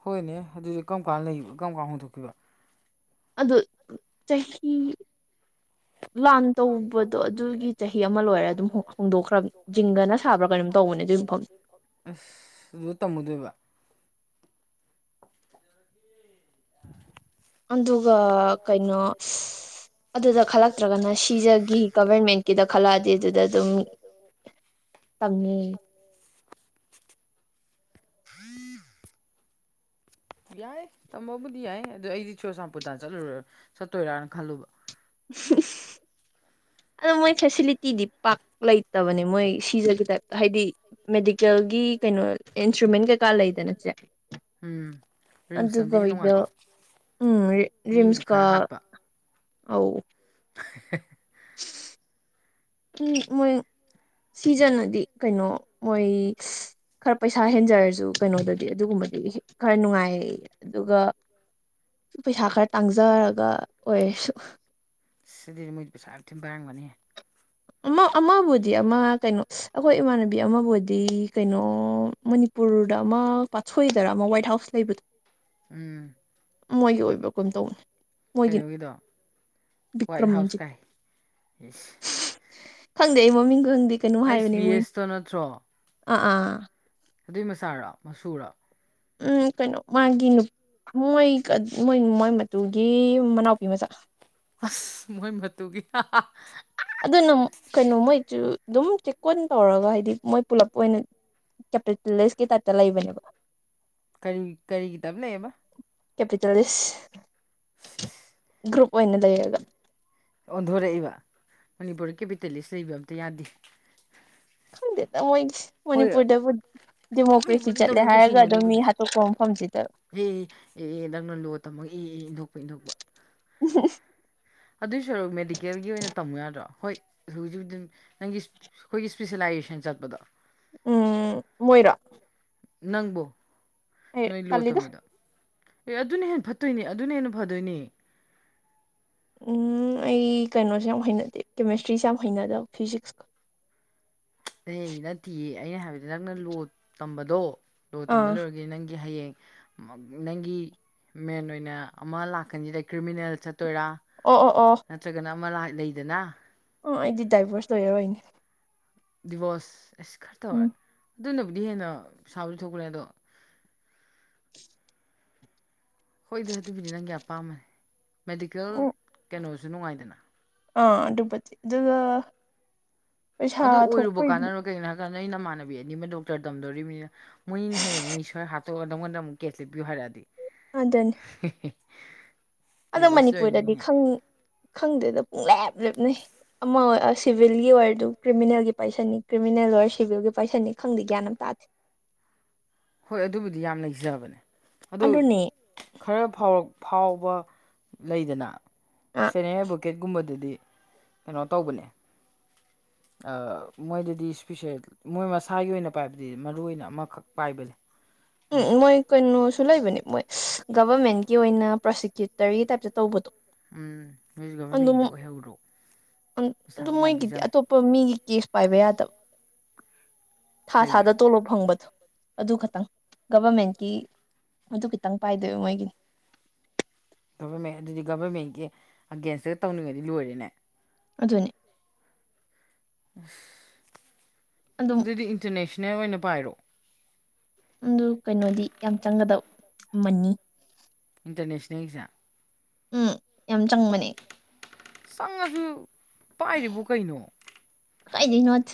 Speaker 2: ꯍꯣꯏꯅꯦ ꯑꯗꯨꯗꯤ ꯀꯔꯝ ꯀꯥꯟꯗ ꯂꯩ ꯀꯔꯝ ꯀꯥꯟ ꯍꯣꯡꯗꯣꯛꯈꯤꯕ
Speaker 1: ꯑꯗꯣ ꯆꯍꯤ ꯂꯥꯟ ꯇꯧꯕꯗꯣ ꯑꯗꯨꯒꯤ ꯆꯍꯤ ꯑꯃ ꯂꯣꯏꯔ ꯑꯗꯨꯝ ꯍꯣꯡꯗꯣꯛꯈ꯭ꯔꯕꯅꯤ ꯖꯤꯡꯒꯅ ꯁꯥꯕ꯭ꯔꯥ ꯀꯩꯅꯣꯝ ꯇꯧꯕꯅꯦ ꯑꯗꯨꯒꯤ ꯃꯐꯝꯗ
Speaker 2: ꯑ ꯑꯗꯨ ꯇꯝꯃꯨꯗꯣꯏꯕ
Speaker 1: [unintelligible]
Speaker 2: [inaudible]
Speaker 1: ꯑꯗꯨꯒ ꯀꯩꯅꯣ ꯑꯗꯨꯗ ꯈꯜꯂꯛꯇ꯭ꯔꯒꯅ ꯁꯤ ꯁꯤꯖꯒꯤ ꯒꯚꯔꯃꯦꯟꯀꯤꯗ ꯈꯜꯂꯛꯑꯗꯤ ꯑꯗꯨꯗ ꯑꯗꯨꯝ ꯇꯝꯃꯦ
Speaker 2: ꯊꯔꯤ ꯌꯥꯏ ꯇꯝꯕꯕꯨꯗꯤ ꯌꯥꯏ ꯑꯗꯨ ꯑꯩꯗꯤ ꯆꯨꯔꯆꯥꯟꯄꯨꯔꯗ ꯆꯠꯂꯨꯔ ꯆꯠꯇꯣꯏꯔꯥꯅ ꯈꯜꯂꯨꯕ
Speaker 1: [unintelligible] ꯑꯗꯣ ꯃꯣꯏ ꯐꯦꯁꯤꯂꯤꯇꯤꯗꯤ ꯄꯥꯛ ꯂꯩꯇꯕꯅꯦ ꯃꯣꯏ ꯁꯤꯖꯒꯤ ꯇꯥꯏꯞꯇ ꯍꯥꯏꯗꯤ
Speaker 2: [unintelligible]
Speaker 1: ꯑꯗꯨꯒ ꯏꯗ ꯎꯝ ꯔꯤꯝꯁꯀꯥ ꯑ
Speaker 2: [inaudible]
Speaker 1: ꯎꯝ ꯃꯣꯏ ꯁꯤꯖꯅꯗꯤ ꯀꯩꯅꯣ ꯃꯣꯏ ꯈꯔ ꯄꯩꯁꯥ ꯍꯦꯟꯖꯔꯁꯨ ꯀꯩꯅꯣꯗꯗꯤ ꯑꯗꯨꯒꯨꯝꯕ ꯍꯥꯏꯗꯤ ꯈꯔ ꯅꯨꯡꯉꯥꯏ ꯑꯗꯨꯒ ꯄꯩꯁꯥ ꯈꯔ ꯇꯥꯡꯖꯔꯒ ꯑꯣꯏꯔꯁꯨ
Speaker 2: ꯁꯤꯗꯤꯗꯤ ꯃꯣꯏꯗꯤ ꯄꯩꯁꯥ ꯌꯥꯝ ꯊꯤꯟ ꯄꯔꯥꯡꯕꯅꯦ
Speaker 1: ꯑꯃ ꯑꯃꯕꯨꯗꯤ ꯑꯃ ꯀꯩꯅꯣ ꯑꯩꯈꯣꯏ ꯏꯃꯥꯟꯅꯕꯤ ꯑꯃꯕꯨꯗꯤ ꯀꯩꯅꯣꯅꯤ ꯄꯨꯔꯗ ꯑꯃ ꯄꯥꯊꯣꯏꯗꯔ ꯑꯃ ꯋꯥꯏꯠ ꯍꯥꯎꯁ ꯂꯩꯕꯗꯣ
Speaker 2: ꯎꯝ
Speaker 1: ꯃꯣꯏꯒꯤ ꯑꯣꯏꯕ ꯀꯩꯅꯝ ꯇꯧꯅꯤ
Speaker 2: ꯀꯩꯅꯣꯒꯤꯗꯣ ꯋꯥꯏꯠ ꯍꯥꯎꯁ ꯀꯥꯏ ꯌꯦꯁ
Speaker 1: ꯈꯪꯗꯦ ꯑꯩ ꯃꯃꯤꯡ ꯈꯪꯗꯦ
Speaker 2: ꯑꯩꯁ ꯕꯤ ꯑꯦꯁꯇꯣ ꯅꯠꯇ꯭ꯔꯣ
Speaker 1: ꯑꯥ ꯑꯥ
Speaker 2: ꯑꯗꯨꯏ ꯃꯆꯥꯔ ꯃꯁꯨꯨꯔ
Speaker 1: ꯎꯝ ꯀꯩꯅꯣ ꯃꯥꯒꯤ ꯅꯨꯄꯤ ꯃꯣꯏ ꯃꯣꯏ ꯃꯣꯏ ꯃꯇꯨꯒꯤ ꯃꯅꯥꯎꯄꯤ ꯃꯆꯥ
Speaker 2: ꯑꯁ ꯃꯣꯏ ꯃꯇꯒꯤ
Speaker 1: ꯑꯗꯨꯅ ꯀꯩꯅꯣꯃꯣꯏꯁꯨ ꯑꯗꯨꯝ ꯆꯦꯛꯀꯣꯟ ꯇꯧꯔꯒ ꯍꯥꯏꯗꯤ ꯃꯣꯏ ꯄꯨꯂꯞ ꯑꯣꯏꯅ ꯀꯦꯄꯤꯇꯂꯤꯁꯀꯤ ꯇꯥꯏꯞꯇ ꯂꯩꯕꯅꯦꯕꯣ
Speaker 2: ꯀꯔꯤ ꯀꯔꯤꯒꯤ ꯇꯕꯅꯦꯌꯦꯕ
Speaker 1: ꯀꯦ ꯄ ꯆꯁ
Speaker 2: ꯐ
Speaker 1: ꯭ꯔꯨꯞ ꯑꯣꯏꯅ ꯂꯩꯌꯦꯒ
Speaker 2: ꯑꯣꯟꯊꯣꯔꯛꯏꯕ ꯃꯅꯤꯄꯨꯔ ꯀꯦꯄꯤꯇꯦꯂꯤꯁ ꯂꯩꯕ ꯑꯝꯇ ꯌꯥꯗꯦ
Speaker 1: ꯈꯪꯗꯦ ꯃꯣꯏ ꯃꯅꯤꯄꯨꯔꯗꯕꯨ ꯗꯦꯃꯣꯀ꯭ꯔꯦꯁꯤ ꯆꯠꯂꯦ ꯍꯥꯏꯔꯒ ꯑꯗꯨꯝ ꯃꯤ ꯍꯥꯠꯇꯣꯛꯄ ꯃꯐꯝꯁꯤꯗ
Speaker 2: ꯑꯦ ꯑꯦꯍ ꯅꯪꯅ ꯂꯣ ꯇꯝꯃꯛꯒ ꯑꯦ ꯏꯟꯊꯣꯛꯄ ꯏꯟꯊꯣꯛꯄ ꯑꯗꯨꯏ ꯁꯔꯨꯛ ꯃꯦꯗꯤꯀꯦꯜꯒꯤ ꯑꯣꯏꯅ ꯇꯝꯃꯨ ꯌꯥꯗ꯭ꯔꯣ ꯍꯣꯏ ꯍꯧꯖꯤꯛ ꯍꯧꯖꯤꯛ ꯅꯪꯒꯤ ꯑꯩꯈꯣꯏꯒꯤ ꯁꯄꯤꯁꯦꯂꯥꯏꯖꯦꯁꯟ ꯆꯠꯄꯗ
Speaker 1: ꯎꯝ ꯃꯣꯏꯔꯥ
Speaker 2: ꯅꯪꯕꯣ ꯅꯣꯏ ꯂꯣ ꯇꯝꯃꯤꯗ ꯑꯦ ꯑꯗꯨꯅ ꯍꯦꯟꯅ ꯐꯠꯇꯣꯏꯅꯤ ꯑꯗꯨꯅ ꯍꯦꯟꯅ ꯐꯗꯣꯏꯅꯤ
Speaker 1: ꯎꯝ ꯑꯩ ꯀꯩꯅꯣꯁꯦ ꯌꯥꯝ ꯍꯩꯅꯗꯦ ꯀꯦꯃꯦꯁꯇ꯭ꯔꯤꯁꯦ ꯌꯥꯝ ꯍꯩꯅꯗꯕ ꯐꯤꯖꯤꯛꯁꯀ [unintelligible]
Speaker 2: ꯑꯩ ꯅꯠꯇꯦ ꯑꯩꯅ ꯍꯥꯏꯕꯗ ꯅꯪꯅ ꯂꯣ ꯇꯝꯕꯗꯣ ꯂꯣ ꯇꯝꯕ ꯂꯣꯏꯔꯒꯗꯤ ꯅꯪꯒꯤ ꯍꯌꯦꯡ ꯅꯪꯒꯤ ꯃꯦꯟ ꯑꯣꯏꯅ ꯑꯃ ꯂꯥꯛꯀꯅꯤꯁꯤꯗ ꯀ꯭ꯔꯤꯃꯤꯅꯦꯜ ꯆꯠ ꯇꯣꯏꯔꯥ ꯅꯠꯇ꯭ꯔꯒꯅ ꯑꯃ ꯂꯩꯗꯅ
Speaker 1: ꯑꯥ ꯑꯩꯗꯤ ꯗꯗꯥꯏꯚꯔꯁ ꯂꯣꯏꯔꯔꯣꯏꯅꯦ
Speaker 2: ꯗꯤꯚꯣꯔꯁ ꯑꯁ ꯈꯔ ꯇꯧꯔꯦ ꯑꯗꯨꯅꯕꯨꯗꯤ ꯍꯦꯟꯅ ꯁꯥꯕꯗꯤ ꯊꯣꯛꯈ꯭ꯔꯦ ꯑꯗꯣ ꯍꯣꯏꯗ ꯑꯗꯨꯕꯨꯗꯤ ꯅꯪ ꯀꯌꯥ ꯄꯥꯝꯃꯅꯤ ꯃꯦꯗꯤꯀꯦꯜ ꯀꯩꯅꯣꯁꯨ ꯅꯨꯡꯉꯥꯏꯗꯅ
Speaker 1: ꯑꯥ ꯑꯗꯨꯄꯆꯤ ꯑꯗꯨ
Speaker 2: ꯑꯗꯨ ꯑꯣꯏꯔꯨꯕ ꯀꯥꯟꯅꯔꯣꯏ ꯀꯩꯒꯤꯅꯣ ꯍꯥꯏ ꯀꯥꯟꯗ ꯅꯗ ꯅ ꯅꯃꯥꯟꯅꯕꯤ ꯑꯅꯤꯃꯛ ꯗꯣꯛꯇꯔ ꯇꯝꯗꯣꯔꯤꯕꯅꯤꯅ ꯃꯣꯏꯅꯤꯅ ꯍꯌꯦꯡ ꯃꯤ ꯁ꯭ꯋꯥꯏ ꯍꯥꯞꯣꯛꯒꯗꯧꯉꯗꯨꯛ ꯀꯦꯁ ꯂꯦꯞꯄꯤꯌꯨ ꯍꯥꯏꯔꯛꯑꯗꯤ
Speaker 1: ꯑꯗꯨꯗꯅꯤ ꯑꯗꯣ ꯃꯅꯤꯄꯨꯔꯗꯗꯤ ꯈꯪꯗꯦꯗ ꯂꯦꯞ ꯂꯦꯞꯅꯩ ꯑꯃ ꯁꯤꯚꯤꯜꯒꯤ ꯑꯣꯏꯔꯗꯨ ꯀ꯭ꯔꯤꯃꯤꯅꯦꯜꯒꯤ ꯄꯥꯏꯁꯟꯅꯤ ꯀ꯭ꯔꯤꯃꯤꯅꯦꯜ ꯑꯣꯏꯔ ꯁꯤꯚꯤꯜꯒꯤ ꯄꯥꯏꯁꯟꯅꯤ ꯈꯪꯗꯦ ꯒ꯭ꯌꯥꯟ ꯑꯃ ꯇꯥꯗꯦ
Speaker 2: ꯍꯣꯏ ꯑꯗꯨꯕꯨꯗꯤ ꯌꯥꯝ ꯂꯩꯖꯕꯅꯦ ꯑꯗꯨ ꯈꯔ ꯐꯥꯎꯔꯛ ꯐꯥꯎꯕ ꯂꯩꯗꯅ ꯁꯦꯅꯤꯌꯔ ꯑꯦꯚꯣꯀꯦꯠꯀꯨꯝꯕꯗꯗꯤ ꯀꯩꯅꯣ ꯇꯧꯕꯅꯦ ꯃꯣꯏꯗꯗꯤ ꯏꯁꯄꯤꯁꯦꯜ ꯃꯣꯏ ꯃꯁꯥꯒꯤ ꯑꯣꯏꯅ ꯄꯥꯏꯕꯗꯤ ꯃꯔꯨ ꯑꯣꯏꯅ ꯑꯃꯈꯛ ꯄꯥꯏꯕꯅꯤ
Speaker 1: ꯎꯝ ꯃꯣꯏ ꯀꯩꯅꯅꯨ ꯁ ꯂꯩꯥꯏꯕ ꯃꯣꯏ ꯒꯕꯔꯃꯦꯟꯀꯤ ꯑꯣꯏꯅ ꯄ꯭ꯔꯣꯁꯤꯀ꯭ꯌꯨꯇꯔꯒꯤ ꯇꯥꯏꯞꯇ ꯇꯧꯕꯗꯣ
Speaker 2: ꯎꯝ ꯅꯣꯏꯁꯨ ꯒꯚꯔꯃꯦꯟꯒꯤꯗꯨ ꯑꯣꯏꯍꯧꯔꯣ ꯄꯩꯁꯥꯕꯨ ꯌꯥꯝ ꯄꯤꯖꯝ
Speaker 1: ꯀꯦꯁ ꯄꯥꯏꯕ ꯌꯥꯗꯕ ꯊꯥ ꯊꯥꯗ ꯇꯣꯂꯣꯞ ꯐꯪꯕꯗꯣ ꯑꯗꯨ ꯈꯛꯇꯪ ꯒꯚꯔꯃꯦꯟꯀꯤ ꯑꯗꯨ ꯈꯤꯇꯪ ꯄꯥꯏꯗꯣꯏꯕ ꯃꯣꯏꯒꯤꯅꯤ
Speaker 2: ꯒꯚꯔꯃꯦꯟ ꯑꯗꯨꯗꯤ ꯒꯚꯔꯃꯦꯟꯒꯤ ꯑꯒꯦꯟꯁꯇꯒ ꯇꯧꯅꯤꯡꯉꯗꯤ ꯂꯣꯏꯔꯦꯅꯦ
Speaker 1: ꯑꯗꯨꯅꯦ
Speaker 2: ꯑꯁ ꯑꯗꯨꯗꯤ ꯏꯟꯇꯔꯅꯦꯁꯅꯦꯜ ꯑꯣꯏꯅ ꯄꯥꯏꯔꯣ
Speaker 1: ꯑꯗꯨ ꯀꯩꯅꯣꯗꯤ ꯌꯥꯝ ꯆꯪꯒꯗꯕ ꯑꯃꯅꯤ
Speaker 2: ꯏꯟꯇꯔꯅꯦꯁꯅꯦꯜꯁꯤꯗ
Speaker 1: ꯎꯝ ꯌꯥꯝ ꯆꯪꯕꯅꯦ
Speaker 2: ꯆꯪꯉꯁꯨ ꯄꯥꯏꯔꯤꯕꯣ ꯀꯩꯅꯣ
Speaker 1: ꯀꯥꯏꯗꯅꯣꯠ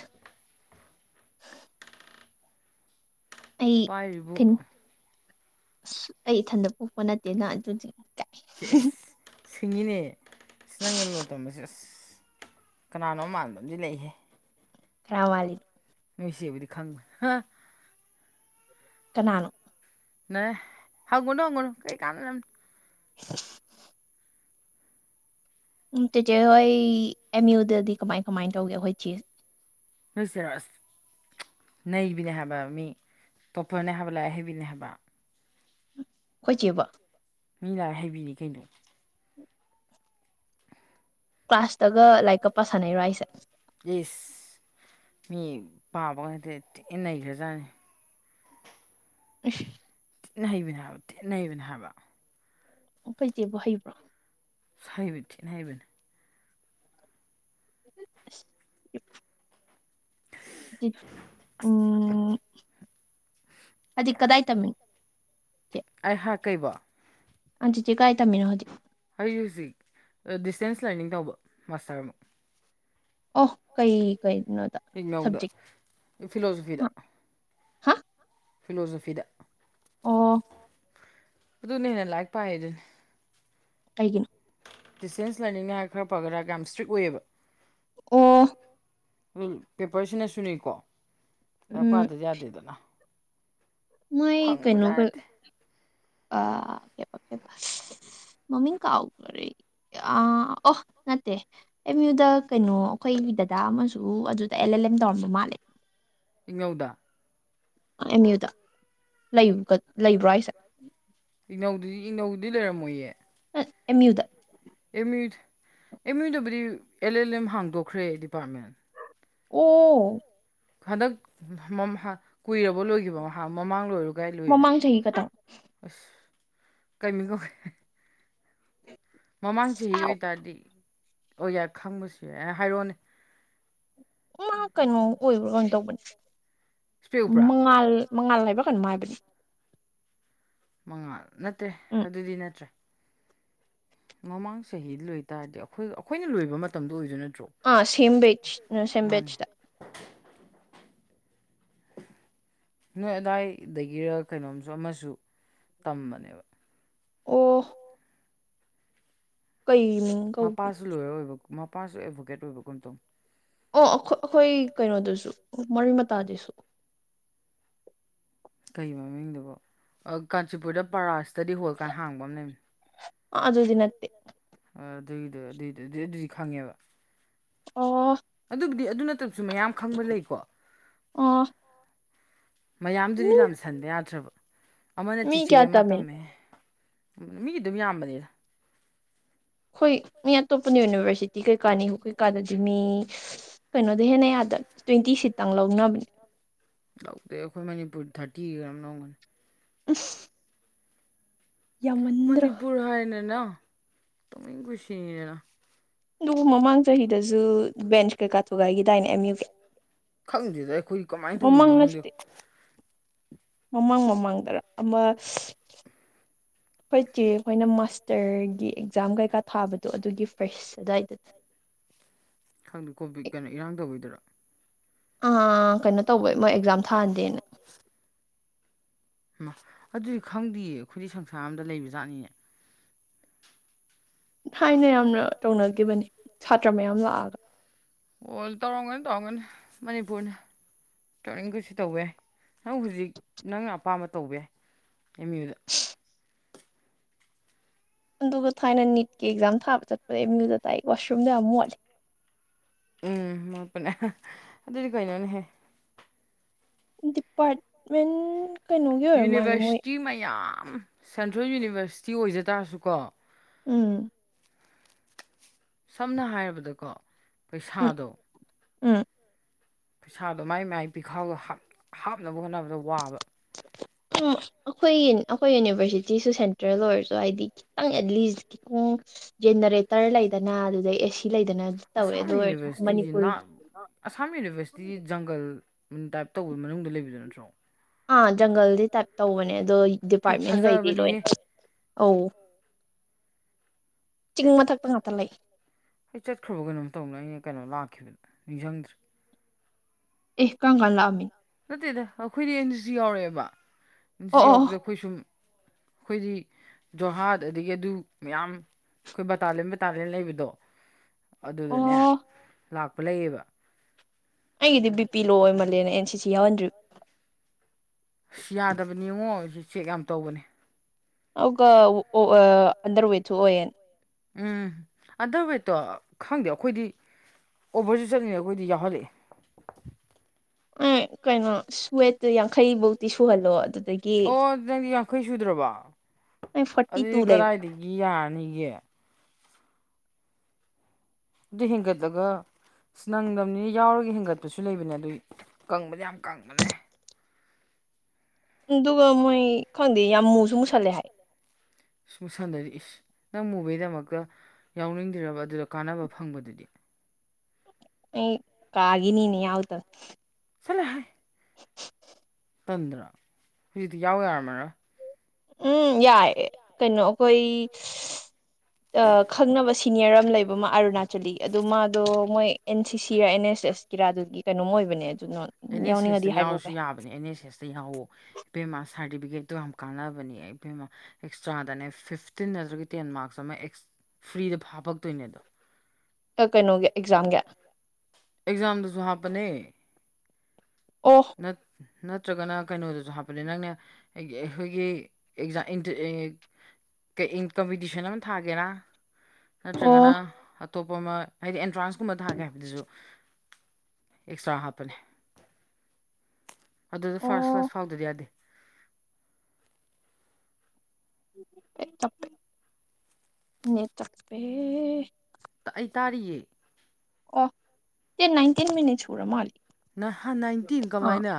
Speaker 2: ꯄꯥꯏꯔꯤꯕ
Speaker 1: ꯑꯁ ꯑꯩ ꯏꯊꯟꯇ ꯄꯣꯛꯄ ꯅꯠꯇꯦꯅ ꯑꯗꯨꯗꯤ
Speaker 2: ꯑꯦ ꯑꯦꯁ ꯁꯤꯡꯉꯤꯅꯦ ꯁꯤ ꯅꯪꯅ ꯂꯣꯟ ꯇꯝꯕꯁꯦ ꯑꯁ ꯀꯅꯥꯅꯣ ꯃꯥꯟꯕ ꯑꯃꯗꯤꯝꯗꯤ ꯂꯩꯍꯦ
Speaker 1: ꯀꯋꯂꯤꯦ
Speaker 2: ꯅꯣꯏꯁꯤꯦꯕꯨꯗꯤ ꯈꯪꯉ
Speaker 1: ꯀꯅꯥꯅꯨ
Speaker 2: ꯅ ꯍꯧꯒꯅꯣ ꯑꯒꯅ ꯀꯩ ꯀꯥꯟꯅ
Speaker 1: [unintelligible] ꯎꯝ ꯆꯤꯆꯦ ꯍꯣꯏ ꯑꯦꯝ ꯌꯨꯗꯗꯤ ꯀꯃꯥꯏ ꯀꯃꯥꯏ ꯇꯧꯒꯦ ꯑꯩꯈꯣꯏ ꯆꯦ
Speaker 2: ꯍꯁꯔꯁ ꯅꯕꯤꯅꯦ ꯍꯥꯏꯕ ꯃꯤ ꯇꯣꯞꯄꯔꯅꯦ ꯍꯥꯏꯕ ꯂꯥꯛ ꯍꯩꯕꯤꯅꯦ ꯍꯥꯏꯕ
Speaker 1: ꯍꯣꯏꯆꯦꯕ
Speaker 2: ꯃꯤ ꯂꯥꯏꯔ ꯍꯥꯏꯩꯕꯤꯔꯤ ꯀꯩꯅꯣ
Speaker 1: ꯀ꯭ꯂꯥꯁꯇꯒ ꯂꯥꯏꯔꯤꯛ ꯀꯞꯄ ꯁꯥꯟꯅꯩꯔꯣ ꯑꯩꯁꯦ
Speaker 2: ꯌꯦꯁ ꯃꯤ ꯄꯥꯕ ꯈꯗꯦ ꯇꯤ ꯅꯩꯈ꯭ꯔꯖꯥꯠꯅꯤ
Speaker 1: ꯑꯁ
Speaker 2: ꯊꯅ ꯍꯩꯕꯅꯦ ꯍꯥꯏꯕ ꯊꯤꯠꯅ ꯍꯩꯕꯅꯦ ꯍꯥꯏꯕ
Speaker 1: ꯑꯣ ꯐꯩꯆꯦꯕꯨ ꯍꯩꯕ꯭ꯔꯣ
Speaker 2: ꯁꯩꯕ ꯊꯠꯅ ꯍꯥꯏꯕꯅ
Speaker 1: [unintelligible] ꯎꯝ ꯍꯥꯏꯗꯤ ꯀꯗꯥꯏ ꯇꯝꯃꯤꯣꯦ ꯑ ꯆꯦ ꯀꯥꯏꯗꯃꯤꯅꯣ ꯍꯧꯖꯤ
Speaker 2: ꯑꯩꯖꯤꯛ ꯍꯧꯖꯤꯛ ꯗꯤꯁꯇꯦꯟꯁ ꯂꯔꯅꯤꯡ ꯇꯧꯕ ꯃꯥꯁꯇꯔ ꯑꯃꯨꯛ
Speaker 1: ꯑꯣ ꯀꯩ ꯀꯩ ꯅ ꯁꯖꯦ ꯍꯥ
Speaker 2: ꯐꯤꯂꯣꯁꯣꯐꯤꯗ
Speaker 1: ꯑꯣ
Speaker 2: ꯇꯅꯦꯅꯦ ꯂꯥꯏꯒ ꯄꯌꯦ ꯑꯗꯨꯅꯦ
Speaker 1: ꯀꯩꯒꯤꯅ
Speaker 2: ꯗꯤꯁꯇꯦꯟꯁ ꯂꯥꯏꯅꯤꯡꯅ ꯈꯔ ꯐ ꯈꯔ ꯌꯥꯝ ꯏꯁꯇ꯭ꯔꯤꯛ ꯑꯣꯏꯑꯕ
Speaker 1: ꯑꯣ
Speaker 2: ꯑꯗꯨ ꯄꯦꯄꯔꯁꯤꯅꯁꯨꯅꯤꯀꯣ ꯂ ꯄꯥꯗ ꯌꯥꯗꯦꯗꯅ
Speaker 1: ꯃꯥꯏ ꯀꯩꯅꯣ ꯀ ꯑ ꯀ ꯃꯝꯃꯃꯤ ꯀꯥꯎ ꯈꯔꯦ ꯑ ꯑꯣ ꯅꯠꯇꯦ ꯑꯦꯝ ꯌꯨꯗ ꯀꯩꯅꯣ ꯑꯩꯈꯣꯏꯒꯤ ꯗꯗꯥ ꯑꯃꯁꯨ ꯑꯗꯨꯗ ꯑꯦꯜ ꯑꯦꯜ ꯇꯝꯕ ꯃꯥꯂ
Speaker 2: ꯏꯉꯧꯗ
Speaker 1: ꯑꯦꯝ ꯌꯨꯗ ꯂꯩꯕ꯭ꯔꯣ ꯑꯩꯁꯦ
Speaker 2: ꯏꯅꯧꯗꯨꯗꯤ ꯏꯅꯧꯗꯨꯗꯤ ꯂꯩꯔꯝꯃꯣꯏꯌꯦ
Speaker 1: ꯑꯦꯝ ꯌꯨꯗ
Speaker 2: ꯑꯦꯝ ꯌꯨ ꯑꯦꯝ ꯌꯨꯗꯕꯨꯗꯤ ꯑꯦꯜ ꯑꯦꯜ ꯑꯦꯝ ꯍꯥꯡꯗꯣꯛꯈ꯭ꯔꯦ ꯗꯤꯄꯥꯔꯠꯃꯦꯟ
Speaker 1: ꯎꯝ
Speaker 2: ꯍꯟꯗꯛ ꯀꯨꯏꯔꯕ ꯂꯣꯏꯈꯤꯕ ꯃꯍꯥꯛ ꯃꯃꯥꯡ ꯂꯣꯏꯔꯣ
Speaker 1: ꯃꯃꯥꯡ ꯆꯍꯤ ꯀꯗ
Speaker 2: ꯀꯃꯤꯒꯒꯦ ꯃꯃꯥꯡ ꯆꯍꯤ ꯑꯣꯏꯇꯥꯔꯗꯤ ꯑꯣ ꯌꯥꯏ ꯈꯪꯕꯁꯨ ꯌꯥꯏ ꯍꯥꯏꯔꯛꯑꯣꯅꯦ
Speaker 1: ꯃꯥ ꯀꯩꯅꯣ ꯑꯣꯏꯕ꯭ꯔꯥ ꯇꯧꯕꯅꯦ ꯃꯉꯥꯜ ꯃꯉꯥꯜ ꯍꯥꯏꯕꯔ ꯀꯩꯅꯣꯝ ꯍꯥꯏꯕꯅꯤ
Speaker 2: ꯃꯉꯥ ꯅꯠꯇꯦ ꯑꯗꯨꯗꯤ ꯅꯠꯇ꯭ꯔꯦ ꯃꯃꯥꯡ ꯆꯍꯤ ꯂꯣꯏꯇꯥꯔꯗꯤ ꯑꯩꯈꯣꯏ ꯑꯩꯈꯣꯏꯅ ꯂꯣꯏꯕ ꯃꯇꯝꯗꯨ ꯑꯣꯏꯗꯣꯏꯅꯠꯇꯣꯔ
Speaker 1: ꯑꯍ ꯁꯦꯝꯕꯖ ꯁꯦꯝꯕꯖꯇ [unintelligible]
Speaker 2: ꯅꯣꯏ ꯑꯗꯥꯏꯗꯒꯤꯔꯣ ꯀꯩꯅꯣꯝꯁꯨ ꯑꯃꯁꯨ ꯇꯝꯕꯅꯦꯕꯥ
Speaker 1: ꯑꯣ
Speaker 2: ꯃꯄꯥꯁꯨ ꯂꯣꯏꯌꯔ ꯑꯣꯏꯕ ꯃꯄꯥꯁꯨ ꯑꯦꯇꯚꯣꯀꯦꯠ ꯑꯣꯏꯕꯒꯨꯝ ꯇꯧꯕꯅꯦ
Speaker 1: ꯑꯣ ꯑꯩꯏ ꯑꯩꯈꯣꯏ ꯀꯩꯅꯣꯗꯨꯁꯨ ꯃꯔꯤ ꯃꯇꯥꯗꯨꯁꯨ
Speaker 2: ꯀꯩ ꯃꯃꯤꯡꯗꯨꯕꯣ ꯑꯍ ꯀꯥꯟꯆꯤꯄꯨꯔꯗ ꯄꯔꯥ ꯏꯁꯇꯗꯤ ꯍꯣꯜ ꯀꯥꯏꯅ ꯍꯥꯡꯕ ꯑꯃ ꯂꯩꯕꯅꯦ
Speaker 1: ꯑꯥꯍ ꯑꯗꯨꯗꯤ ꯅꯠꯇꯦ
Speaker 2: ꯑꯗꯨꯒꯤꯗꯣ ꯑꯗꯨ ꯑꯗꯨ ꯑꯗꯨꯗꯤ ꯈꯪꯉꯦꯕꯥ ꯑꯗꯨꯕꯨꯗꯤ ꯑꯗꯨ ꯅꯠꯇꯕꯁꯨ ꯃꯌꯥꯝ ꯈꯪꯕ ꯂꯩꯀꯣ ꯃꯌꯥꯝꯗꯨꯗꯤ ꯂꯝꯁꯟꯕ ꯌꯥꯗ꯭ꯔꯕ ꯑꯃꯥꯅ ꯆꯦꯆꯦ ꯑꯃꯥ ꯇꯝꯃꯦ ꯃꯤꯒꯤ ꯑꯗꯨꯝ ꯌꯥꯝꯕꯅꯤꯗ
Speaker 1: ꯍꯣꯏ ꯃꯤ ꯑꯇꯣꯞꯄꯅ ꯌꯨꯅꯤꯚꯔꯁꯤꯇꯤ ꯀꯩꯀꯥꯅꯤ ꯑꯩꯈꯣꯏ ꯀꯥꯗꯗꯤ ꯃꯤ ꯀꯩꯅꯣꯗ ꯍꯦꯟꯅ ꯌꯥꯗꯦ ꯇ꯭ꯋꯦꯟꯇꯤ ꯁꯤꯠꯇꯪ ꯂꯧꯅꯕꯅꯦ
Speaker 2: ꯂꯧꯗꯦ ꯑꯩꯈꯣꯏ ꯃꯅꯤꯄꯨꯔ ꯊꯥꯔꯇꯤꯔ ꯀꯩꯅꯣꯝ ꯂꯧꯕꯅꯦ
Speaker 1: ꯏꯦꯁ
Speaker 2: ꯃꯅꯤꯄꯨꯔ ꯍꯥꯏꯅꯦꯅꯥ ꯇꯧꯅꯤꯡ ꯀꯨꯁꯤꯅꯤꯗꯥꯅ
Speaker 1: ꯑꯗꯨꯕꯨ ꯃꯥ ꯃꯥꯡ ꯆꯍꯤꯍꯤꯗꯁꯨ
Speaker 2: ꯈꯪꯗꯦꯗ ꯑꯩꯈꯣꯏ ꯀꯃꯥꯏꯅ ꯇꯧꯈꯤꯕꯅꯣ ꯈꯪꯗꯦ
Speaker 1: ꯃꯃꯥꯡ ꯃꯃꯥꯡꯗꯔ ꯑꯃ ꯑꯩꯈꯣꯏ ꯆꯦ ꯍꯣꯏꯅ ꯃꯥꯁꯇꯔꯒꯤ ꯑꯦꯛꯖꯥꯝ ꯀꯩꯀꯥ
Speaker 2: ꯈꯪꯗꯦ ꯀꯣꯕꯤꯠ ꯀꯩꯅꯣ ꯏꯔꯥꯡ ꯇꯧꯒꯤꯗꯨꯔꯣ
Speaker 1: ꯑꯥ ꯀꯩꯅꯣ ꯇꯧꯕꯩ ꯃꯣꯏ ꯑꯦꯛꯖꯥꯝ ꯊꯥꯍꯜꯗꯦꯅ
Speaker 2: ꯍꯃꯥ ꯑꯗꯨꯗꯤ ꯈꯪꯗꯦꯌꯦ ꯑꯩꯈꯣꯏꯗꯤ ꯁꯪꯁꯥꯔ ꯑꯝꯗ ꯂꯩꯕ ꯖꯥꯠꯅꯤꯅꯦ
Speaker 1: ꯊꯥꯏꯅ ꯌꯥꯝꯅ ꯇꯧꯅ ꯒꯤꯕꯅꯤ ꯁꯥꯇ꯭ꯔ ꯃꯌꯥꯝ ꯂꯥꯛ ꯑꯒ
Speaker 2: ꯑꯣ ꯇꯧꯔꯝꯒꯅꯤ ꯇꯧꯔꯝꯒꯅꯤ ꯃꯅꯤꯄꯨꯔꯅꯤ ꯇꯧꯅꯤꯡ ꯀꯨꯁꯤ ꯇꯧꯕ ꯌꯥꯏ ꯍꯧꯖꯤꯛ ꯅꯪꯅ ꯑꯄꯥꯝꯕ ꯇꯧꯕ ꯌꯥꯏ ꯑꯦꯝꯌꯨꯗ
Speaker 1: ꯑꯗꯨꯒ ꯊꯥꯏꯅ ꯅꯤꯠꯀꯤ ꯑꯦꯛꯖꯥꯝ ꯊꯥꯕ ꯆꯠꯄꯗ ꯑꯦꯝꯌꯨꯒꯤ ꯗꯥꯏꯔꯦꯛ ꯋꯥꯁꯔꯨꯝꯗ ꯌꯥꯝ ꯃꯣꯠꯂꯤ
Speaker 2: ꯎꯝ ꯃꯣꯠꯄꯅꯦ ꯑꯗꯨꯗꯤ ꯀꯩꯅꯣꯅꯦꯍꯦ
Speaker 1: ꯗꯤꯄꯥꯔꯃꯦꯟ
Speaker 2: ꯌꯨꯅꯤꯚꯔꯁꯤꯇꯤ ꯃꯌꯥꯝ ꯁꯦꯟꯇ꯭ꯔꯦꯜ ꯌꯨꯅꯤꯚꯔꯁꯤꯇꯤ ꯑꯣꯏꯖ ꯇꯥꯔꯁꯨꯀꯣ
Speaker 1: ꯎꯝ
Speaker 2: ꯁꯝꯅ ꯍꯥꯏꯔꯕꯗꯀꯣ ꯄꯩꯁꯥꯗꯣ
Speaker 1: ꯎꯝ
Speaker 2: ꯄꯩꯁꯥꯗꯣ ꯃꯥꯏ ꯃꯥꯏ ꯄꯤꯈꯥꯎꯗꯥ ꯍꯥꯞꯅꯕ ꯍꯣꯠꯅꯕꯗꯥ ꯋꯥꯕ
Speaker 1: [unintelligible] ꯑꯩꯈꯣꯏꯌꯦꯅꯤ ꯑꯩꯈꯣꯏ ꯌꯦꯅꯤꯚꯔꯁꯤꯇꯤꯁꯨ ꯁꯦꯟꯇ꯭ꯔꯦꯜ ꯑꯣꯏꯔꯁꯨ ꯍꯥꯏꯗꯤ ꯈꯤꯇꯪ ꯑꯦꯠ ꯂꯤꯁ ꯈꯤꯇꯪ ꯖꯦꯅꯔꯦꯇꯔ ꯂꯩꯗꯅ ꯑꯗꯨꯗꯩ ꯑꯦꯁꯤ
Speaker 2: ꯑꯁꯥꯝ ꯌꯨꯅꯤꯚꯔꯁꯤꯇꯤꯁꯤ ꯅꯜ ꯑꯁꯥꯝ ꯌꯨꯅꯤꯚꯔꯁꯤꯇꯤꯁꯤ ꯖꯪꯒꯜ ꯑꯝ ꯇꯥꯏꯞ ꯇꯧꯕ ꯃꯅꯨꯡꯗ ꯂꯩꯕꯥꯗꯣ ꯅꯠꯇ꯭ꯔꯣ
Speaker 1: ꯑꯥ ꯖꯪꯒꯜꯗꯤ ꯇꯥꯏꯞ ꯇꯧꯕꯅꯦ ꯑꯗꯣ ꯗꯤꯄꯥꯔꯠꯃꯦꯟꯒꯩꯗꯤ ꯂꯣꯏꯅ ꯑꯧ
Speaker 2: ꯑꯦ ꯑꯩ ꯆꯠꯈ꯭ꯔꯕ ꯀꯩꯅꯣꯝ ꯇꯧꯕꯅꯦ ꯑꯩꯅ ꯀꯩꯅꯣ ꯂꯥꯛꯈꯤꯕꯅꯦ ꯅꯤꯡꯖꯪꯗꯔ
Speaker 1: ꯑꯦ ꯀꯪꯀꯟ ꯂꯥꯛꯑꯝꯃꯤꯅꯣ
Speaker 2: ꯅꯠꯇꯦꯗ ꯑꯩꯈꯣꯏꯗꯤ ꯑꯦꯟꯁꯨ ꯌꯥꯎꯔꯦꯕ ꯑꯦꯟꯁꯨ ꯌꯥꯎꯔꯛꯄꯗ ꯑꯩꯈꯣꯏ ꯁꯨꯝ ꯑꯩꯈꯣꯏꯗꯤ ꯖꯣꯍꯥꯠ ꯑꯗꯒꯤ ꯑꯗꯨ ꯃꯌꯥꯝ ꯑꯩꯈꯣꯏ ꯕꯇꯥꯂꯦꯟ ꯕꯇꯥꯂꯦꯟ ꯂꯩꯕꯗꯣ ꯑꯗꯨꯗꯅꯦ ꯂꯥꯛꯄ ꯂꯩꯌꯦꯕ
Speaker 1: ꯑꯩꯒꯤꯗꯤ ꯕꯤ ꯄꯤ ꯂꯣ ꯑꯣꯏꯃꯜꯂꯦꯅ ꯑꯦꯟ ꯁꯤ ꯁꯤ ꯌꯥꯎꯍꯟꯗ꯭ꯔꯤꯕ
Speaker 2: ꯑꯁ ꯌꯥꯗꯕꯅꯤ ꯉꯣ ꯁꯤ ꯆꯦꯛ ꯌꯥꯝ ꯇꯧꯕꯅꯦ
Speaker 1: ꯑꯗꯨꯒ ꯋꯣ ꯑꯣ ꯑ ꯑꯟꯗꯔ ꯋꯦꯗꯁꯨ ꯑꯣꯏꯌꯦꯅ
Speaker 2: ꯎꯝ ꯑꯗꯨꯋꯦꯠꯇꯣ ꯈꯪꯗꯦ ꯑꯈꯣꯏꯗꯤ ꯑꯣꯚꯔꯁꯨ ꯆꯠꯂꯤꯅꯦ ꯑꯈꯣꯏꯗꯤ ꯌꯥꯎꯍꯜꯂꯛꯑꯦ
Speaker 1: ꯑꯦ ꯀꯩꯅꯣ ꯑꯁꯋꯦꯠꯇꯣ ꯌꯥꯡꯈꯩ ꯕꯧꯇꯤ ꯁꯨꯍꯜꯂꯣ ꯑꯗꯨ
Speaker 2: ꯑꯣ ꯅꯪꯗꯤ ꯌꯥꯡꯈꯩ ꯁꯨꯗ꯭ꯔꯕ ꯑꯗꯨꯗꯤ ꯀꯗꯥꯏꯗꯒꯤ ꯌꯥꯔꯅꯤꯒꯦ ꯍꯦꯟꯒꯠꯂꯒ ꯑꯁ ꯅꯪꯗꯕꯅꯤꯅ ꯌꯥꯎꯔꯒ ꯍꯦꯟꯒꯠꯄꯁꯨ ꯂꯩꯕꯅꯦ ꯑꯗꯨ ꯀꯪꯕꯗꯤ ꯌꯥꯝ ꯀꯪꯕꯅꯦ
Speaker 1: ꯑꯗꯨꯒ ꯃꯣꯏ ꯈꯪꯗꯦ ꯌꯥꯝ ꯃꯨꯁꯨ ꯃꯨꯁꯜꯂꯦ ꯍꯥꯏ
Speaker 2: ꯃꯨꯁꯟꯗꯗꯤ ꯏꯁ ꯅꯪ ꯃꯨꯕꯩꯗꯃꯛꯇ ꯌꯥꯎꯅꯤꯡꯗ꯭ꯔꯤꯔꯕ ꯑꯗꯨꯗ ꯀꯥꯟꯅꯕ ꯐꯪꯕꯗꯨꯗꯤ
Speaker 1: ꯑꯩ ꯀꯥꯒꯤꯅꯤꯅ ꯌꯥꯎꯗꯕ
Speaker 2: ꯆꯜꯂꯣ ꯍꯥꯏ ꯇꯟꯗ꯭ꯔꯥ ꯍꯧꯖꯤꯛꯇꯤ ꯌꯥꯎ ꯌꯥꯔꯝꯃꯔꯣꯏ
Speaker 1: ꯎꯝ ꯌꯥꯏꯌꯦ ꯀꯩꯅꯣ ꯑꯩꯈꯣꯏ ꯁꯁ ꯈꯪꯅꯕ ꯁꯤꯅꯤꯌꯔ ꯑꯝ ꯂꯩꯕ ꯃꯥ ꯑꯔꯨꯅꯥꯆꯂꯤ ꯑꯗꯣ ꯃꯥꯗꯣ ꯃꯣꯏ ꯑꯦꯟ ꯁꯤ ꯁꯤ ꯑꯦꯟ ꯑꯦꯁ ꯑꯦꯁ ꯀꯤꯔꯥꯗꯨꯒꯤ ꯀꯩꯅꯣꯝ ꯑꯣꯏꯕꯅꯦ ꯑ
Speaker 2: ꯑꯦꯟ ꯑꯦꯁ ꯑꯦꯁꯇ ꯌꯥꯎꯔꯁꯨ ꯌꯥꯕꯅꯦ ꯑꯦꯟ ꯑꯦꯁ ꯑꯦꯁꯇ ꯌꯥꯎꯋꯣ ꯏꯕꯦꯝꯃ ꯁꯥꯔꯇꯤꯐꯤꯀꯦꯠꯇꯣ ꯌꯥꯝ ꯀꯥꯟꯅꯕꯅꯤ ꯑꯩꯕꯦꯝꯃ ꯑꯦꯛꯁꯇ꯭ꯔꯥꯗꯅꯦ ꯐꯤꯐꯇꯤꯟ ꯅꯠꯈ꯭ꯔꯒ ꯇꯦꯟ ꯃꯥꯔꯛꯁ ꯑꯃ ꯐ꯭ꯔꯤꯗ ꯐꯥꯞꯄꯛꯇꯣꯏꯅꯦ ꯑꯗꯣ
Speaker 1: ꯀꯩꯅꯣꯒꯤ ꯑꯦꯛꯖꯥꯝꯒꯤ
Speaker 2: ꯑꯦꯛꯖꯥꯝꯗꯁꯨ ꯍꯥꯞꯄꯅꯦ ꯅꯠ ꯅꯠꯇ꯭ꯔꯒꯅ ꯀꯩꯅꯣꯗꯁꯨ ꯍꯥꯞꯄꯅꯦ ꯅꯪꯅ ꯑꯩꯒꯤ ꯑꯩꯈꯣꯏꯒꯤ ꯑꯦꯛꯖꯥꯝ ꯏꯟꯇ꯭ꯔ ꯀꯩ ꯏꯟ ꯀꯝꯄꯤꯇꯤꯁꯟ ꯑꯃ ꯊꯥꯒꯦꯔ ꯅꯠꯇ꯭ꯔꯒꯅ ꯑꯇꯣꯞꯄ ꯑꯃ ꯍꯥꯏꯗꯤ ꯑꯦꯟꯇ꯭ꯔꯥꯟꯁꯀꯨꯝꯕ ꯊꯥꯒꯦ ꯍꯥꯏꯕꯗꯁꯨ ꯑꯦꯛꯁꯇ꯭ꯔꯥ ꯍꯥꯞꯄꯅꯦ ꯑꯗꯨꯗ ꯐꯥꯔꯁ ꯀ꯭ꯂꯥꯁ ꯐꯥꯎꯗꯗꯤ ꯌꯥꯗꯦ
Speaker 1: ꯅꯦꯠ ꯆꯞꯄꯦ ꯅꯦꯠ ꯆꯞꯄꯦ
Speaker 2: ꯇꯥ ꯑꯩ ꯇꯥꯔꯤꯌꯦ
Speaker 1: ꯑꯣ ꯆꯦ ꯅꯥꯏꯟꯇꯤꯟ ꯃꯤꯅꯤꯠ ꯁꯨꯔ ꯃꯥꯜꯂꯤ
Speaker 2: ꯅ ꯍꯥ ꯅꯥꯏꯟꯇꯤꯟ ꯀꯃꯥꯏꯅ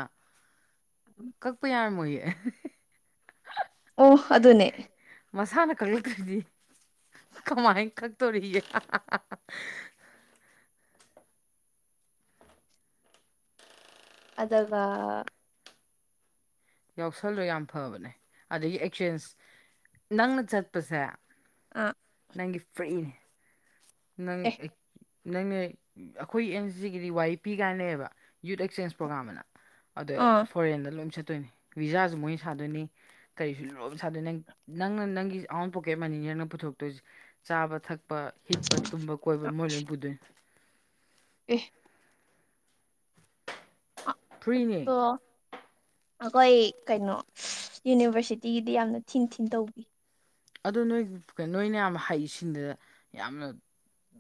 Speaker 2: ꯀꯛꯄ ꯌꯥꯔꯝꯃꯣꯏꯌꯦ ꯑꯦ ꯍ ꯍꯦ ꯍ
Speaker 1: ꯑꯣ ꯑꯗꯨꯅꯦ
Speaker 2: ꯃꯁꯥꯅ ꯈꯛꯂꯛꯇ꯭ꯔꯗꯤ ꯀꯃꯥꯏꯅ ꯈꯛꯇꯣꯔꯤꯒꯦ ꯍꯥ ꯍꯥ ꯍꯥ ꯍꯥ
Speaker 1: ꯑꯗꯨꯒ
Speaker 2: ꯌꯥꯎꯁꯜꯂꯣ ꯌꯥꯝ ꯐꯕꯅꯦ ꯑꯗꯒꯤ ꯑꯦꯛꯆꯦꯟꯁ ꯅꯪꯅ ꯆꯠꯄꯁꯦ
Speaker 1: ꯑꯥ
Speaker 2: ꯅꯪꯒꯤ ꯐ꯭ꯔꯤꯅꯤ ꯅꯪ ꯑꯦꯛ ꯅꯪꯅꯦ ꯑꯈꯣꯏ ꯑꯦꯟ ꯁꯤꯒꯤꯗꯤ ꯋꯥ ꯏ ꯄꯤ ꯀꯥꯏꯅ ꯌꯨꯠ ꯑꯦꯛꯁꯆꯦꯟꯁ ꯄ꯭ꯔꯣꯒꯥꯝ ꯑꯅ ꯑꯗꯣ ꯐꯣꯔꯦꯟꯗ ꯂꯣꯏꯝ ꯆꯠꯇꯣꯏꯅꯤ ꯚꯤꯖꯥꯖꯨ ꯃꯣꯏꯅ ꯁꯥꯗꯣꯏꯅꯤ ꯀꯔꯤꯁꯨ ꯂꯣꯏꯅ ꯁꯥꯗꯣꯏꯅꯤ ꯅꯪꯅ ꯅꯪꯒꯤ ꯑꯥꯎꯟ ꯄꯣꯀꯦꯠ ꯃꯅꯤ ꯅꯪꯅ ꯄꯨꯊꯣꯛ ꯇꯣꯏꯁꯦ ꯆꯥꯕ ꯊꯛꯄ ꯍꯤꯞꯄ ꯇꯨꯝꯕ ꯀꯣꯏꯕ ꯃꯣꯏ ꯂꯣꯏꯅ ꯄꯨꯗꯣꯏꯅꯤ
Speaker 1: ꯑꯦ
Speaker 2: ꯐ꯭ꯔꯤꯅꯦ
Speaker 1: ꯑꯩꯈꯣꯏ ꯀꯩꯅꯣ ꯌꯨꯅꯤꯚꯔꯁꯤꯇꯤꯒꯤꯗꯤ ꯌꯥꯝꯅ ꯊꯤꯟ ꯊꯤꯟ ꯇꯧꯕꯤ
Speaker 2: ꯑꯗꯨ ꯅꯣꯏ ꯅꯣꯏꯅ ꯌꯥꯝ ꯍꯩꯁꯤꯡꯗꯨꯗ ꯌꯥꯝꯅ